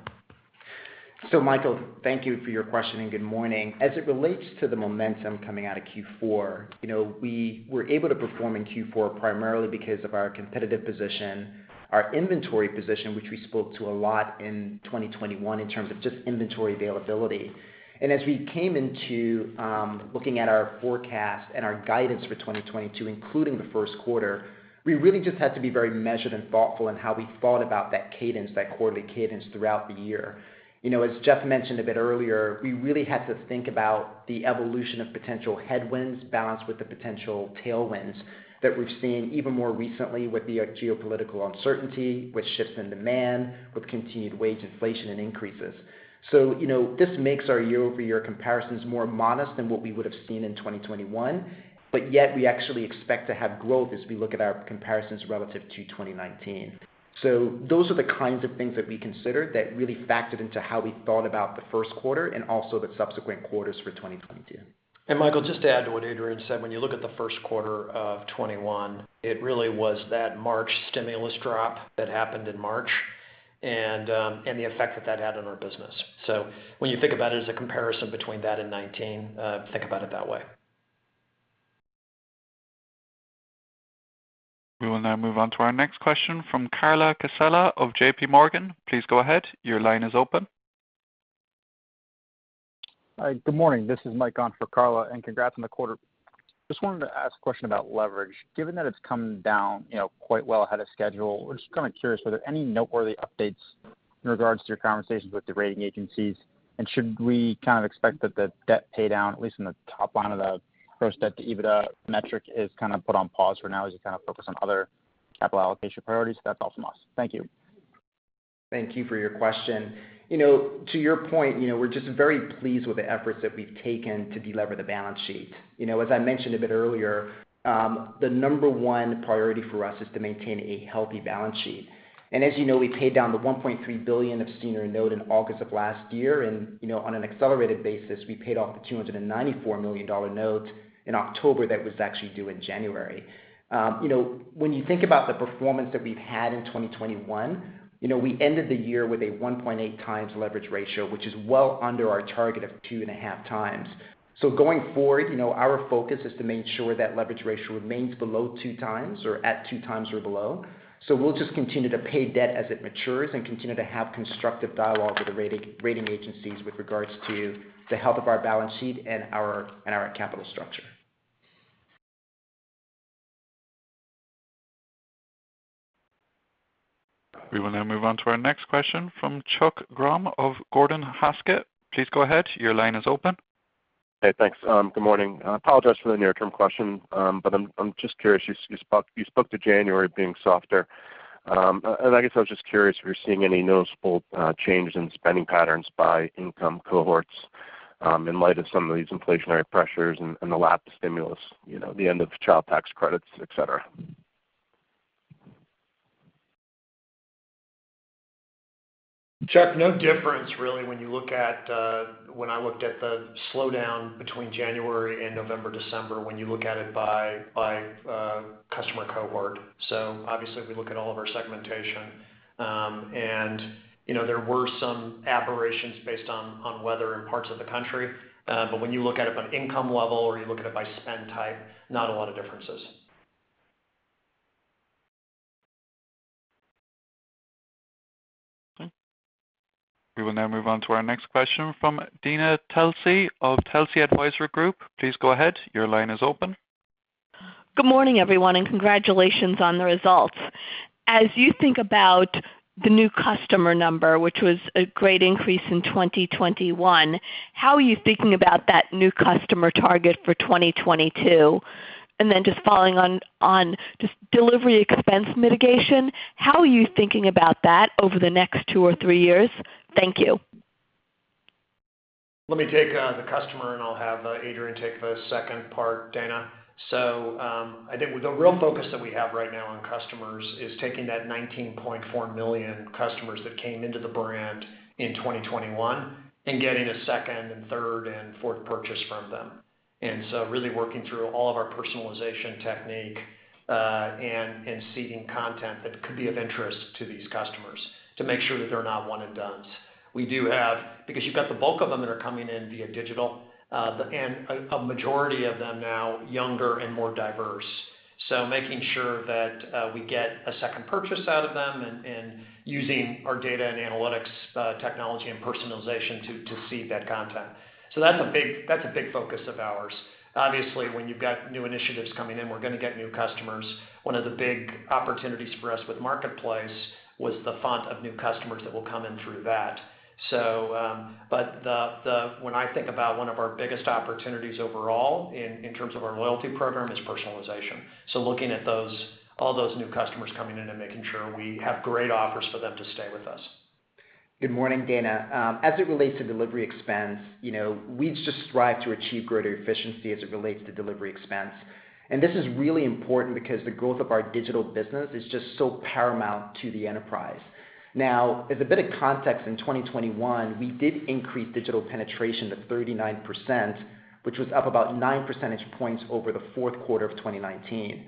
Michael, thank you for your question, and good morning. As it relates to the momentum coming out of Q4, you know, we were able to perform in Q4 primarily because of our competitive position, our inventory position, which we spoke to a lot in 2021 in terms of just inventory availability. As we came into looking at our forecast and our guidance for 2022, including the first quarter, we really just had to be very measured and thoughtful in how we thought about that cadence, that quarterly cadence throughout the year. You know, as Jeff mentioned a bit earlier, we really had to think about the evolution of potential headwinds balanced with the potential tailwinds that we've seen even more recently with the geopolitical uncertainty, with shifts in demand, with continued wage inflation and increases. You know, this makes our year-over-year comparisons more modest than what we would have seen in 2021, but yet we actually expect to have growth as we look at our comparisons relative to 2019. Those are the kinds of things that we considered that really factored into how we thought about the first quarter and also the subsequent quarters for 2022. Michael, just to add to what Adrian said, when you look at the first quarter of 2021, it really was that March stimulus drop that happened in March and the effect that that had on our business. When you think about it as a comparison between that and 2019, think about it that way. We will now move on to our next question from Carla Casella of JPMorgan. Please go ahead. Your line is open. Hi. Good morning. This is Mike on for Carla, and congrats on the quarter. Just wanted to ask a question about leverage. Given that it's come down, you know, quite well ahead of schedule, we're just kinda curious, were there any noteworthy updates in regards to your conversations with the rating agencies? Should we kind of expect that the debt pay down, at least in the top line of the gross debt to EBITDA metric, is kinda put on pause for now as you kind of focus on other capital allocation priorities? That's all from us. Thank you. Thank you for your question. You know, to your point, you know, we're just very pleased with the efforts that we've taken to delever the balance sheet. You know, as I mentioned a bit earlier, the number one priority for us is to maintain a healthy balance sheet. As you know, we paid down the $1.3 billion of senior note in August of last year and, you know, on an accelerated basis, we paid off the $294 million note in October that was actually due in January. You know, when you think about the performance that we've had in 2021, you know, we ended the year with a 1.8x leverage ratio, which is well under our target of 2.5x. Going forward, you know, our focus is to make sure that leverage ratio remains below 2x or at 2x or below. We'll just continue to pay debt as it matures and continue to have constructive dialogue with the rating agencies with regards to the health of our balance sheet and our capital structure. We will now move on to our next question from Chuck Grom of Gordon Haskett. Please go ahead. Your line is open. Hey, thanks. Good morning. I apologize for the near term question, but I'm just curious. You spoke to January being softer. I guess I was just curious if you're seeing any noticeable changes in spending patterns by income cohorts, in light of some of these inflationary pressures and the lapsed stimulus, you know, the end of child tax credits, etc. Chuck, no difference really when you look at when I looked at the slowdown between January and November, December, when you look at it by customer cohort. Obviously, if we look at all of our segmentation, and you know, there were some aberrations based on weather in parts of the country. When you look at it by income level or you look at it by spend type, not a lot of differences. We will now move on to our next question from Dana Telsey of Telsey Advisory Group. Please go ahead. Your line is open. Good morning, everyone, and congratulations on the results. As you think about the new customer number, which was a great increase in 2021, how are you thinking about that new customer target for 2022? Just following on just delivery expense mitigation, how are you thinking about that over the next 2 or 3 years? Thank you. Let me take the customer, and I'll have Adrian take the second part, Dana. I think with the real focus that we have right now on customers is taking that 19.4 million customers that came into the brand in 2021 and getting a second and third and fourth purchase from them. Really working through all of our personalization technique and seeking content that could be of interest to these customers to make sure that they're not one and dones. Because you've got the bulk of them that are coming in via digital and a majority of them now younger and more diverse. Making sure that we get a second purchase out of them and using our data and analytics technology and personalization to feed that content. That's a big focus of ours. Obviously, when you've got new initiatives coming in, we're gonna get new customers. One of the big opportunities for us with Marketplace was the fount of new customers that will come in through that. When I think about one of our biggest opportunities overall in terms of our loyalty program is personalization. Looking at all those new customers coming in and making sure we have great offers for them to stay with us. Good morning, Dana. As it relates to delivery expense, you know, we just strive to achieve greater efficiency as it relates to delivery expense. This is really important because the growth of our digital business is just so paramount to the enterprise. Now, as a bit of context, in 2021, we did increase digital penetration to 39%, which was up about 9 percentage points over the fourth quarter of 2019.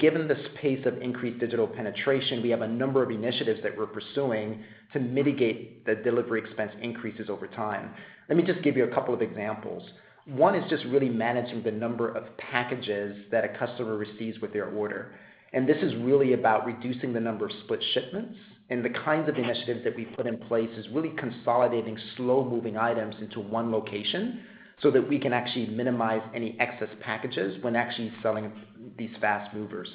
Given this pace of increased digital penetration, we have a number of initiatives that we're pursuing to mitigate the delivery expense increases over time. Let me just give you a couple of examples. One is just really managing the number of packages that a customer receives with their order. This is really about reducing the number of split shipments. The kinds of initiatives that we put in place is really consolidating slow-moving items into one location, so that we can actually minimize any excess packages when actually selling these fast movers.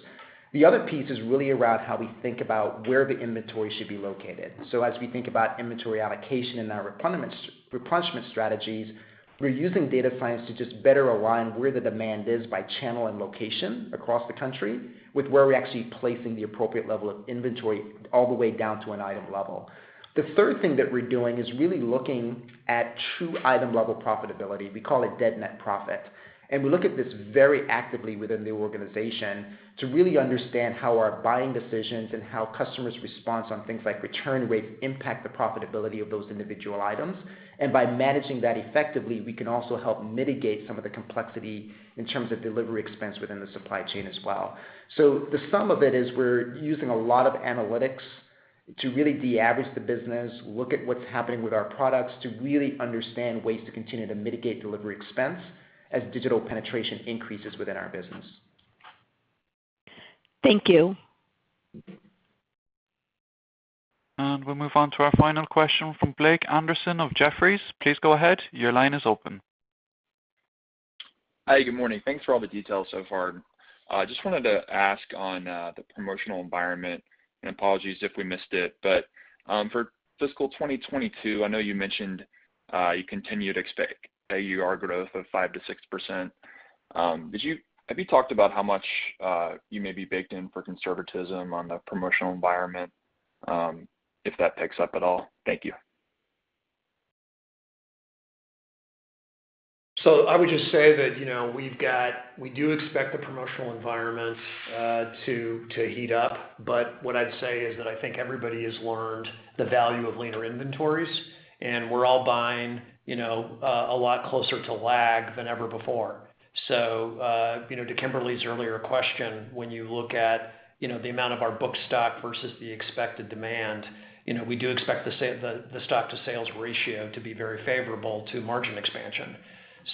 The other piece is really around how we think about where the inventory should be located. As we think about inventory allocation and our replenishment strategies, we're using data science to just better align where the demand is by channel and location across the country with where we're actually placing the appropriate level of inventory all the way down to an item level. The third thing that we're doing is really looking at true item-level profitability. We call it dead net profit. We look at this very actively within the organization to really understand how our buying decisions and how customers' response on things like return rates impact the profitability of those individual items. By managing that effectively, we can also help mitigate some of the complexity in terms of delivery expense within the supply chain as well. The sum of it is we're using a lot of analytics to really de-average the business, look at what's happening with our products to really understand ways to continue to mitigate delivery expense as digital penetration increases within our business. Thank you. We'll move on to our final question from Blake Anderson of Jefferies. Please go ahead. Your line is open. Hi, good morning. Thanks for all the details so far. Just wanted to ask on the promotional environment, and apologies if we missed it, but for fiscal 2022, I know you mentioned you continue to expect AUR growth of 5%-6%. Have you talked about how much you may be baked in for conservatism on the promotional environment, if that picks up at all? Thank you. I would just say that, you know, we do expect the promotional environment to heat up. What I'd say is that I think everybody has learned the value of leaner inventories, and we're all buying, you know, a lot closer to need than ever before. To Kimberly's earlier question, when you look at, you know, the amount of our book stock versus the expected demand, you know, we do expect the stock to sales ratio to be very favorable to margin expansion.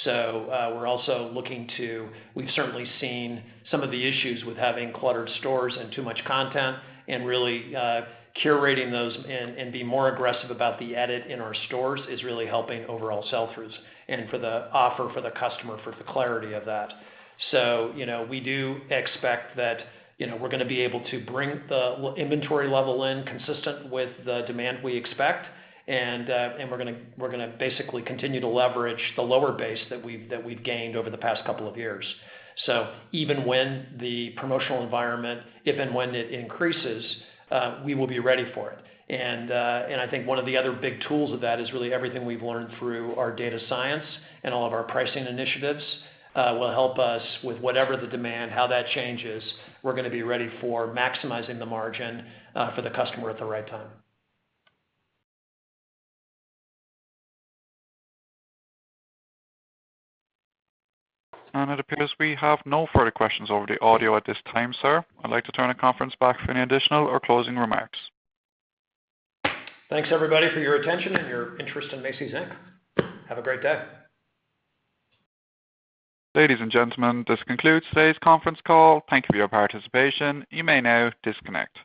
We're also looking to. We've certainly seen some of the issues with having cluttered stores and too much content and really curating those and being more aggressive about the edit in our stores is really helping overall sell-throughs and for the offer for the customer for the clarity of that. You know, we do expect that, you know, we're gonna be able to bring the inventory level in consistent with the demand we expect, and we're gonna basically continue to leverage the lower base that we've gained over the past couple of years. Even when the promotional environment, if and when it increases, we will be ready for it. And I think one of the other big tools of that is really everything we've learned through our data science and all of our pricing initiatives, will help us with whatever the demand, how that changes. We're gonna be ready for maximizing the margin for the customer at the right time. It appears we have no further questions over the audio at this time, sir. I'd like to turn the conference back for any additional or closing remarks. Thanks, everybody, for your attention and your interest in Macy's, Inc. Have a great day. Ladies and gentlemen, this concludes today's conference call. Thank you for your participation. You may now disconnect.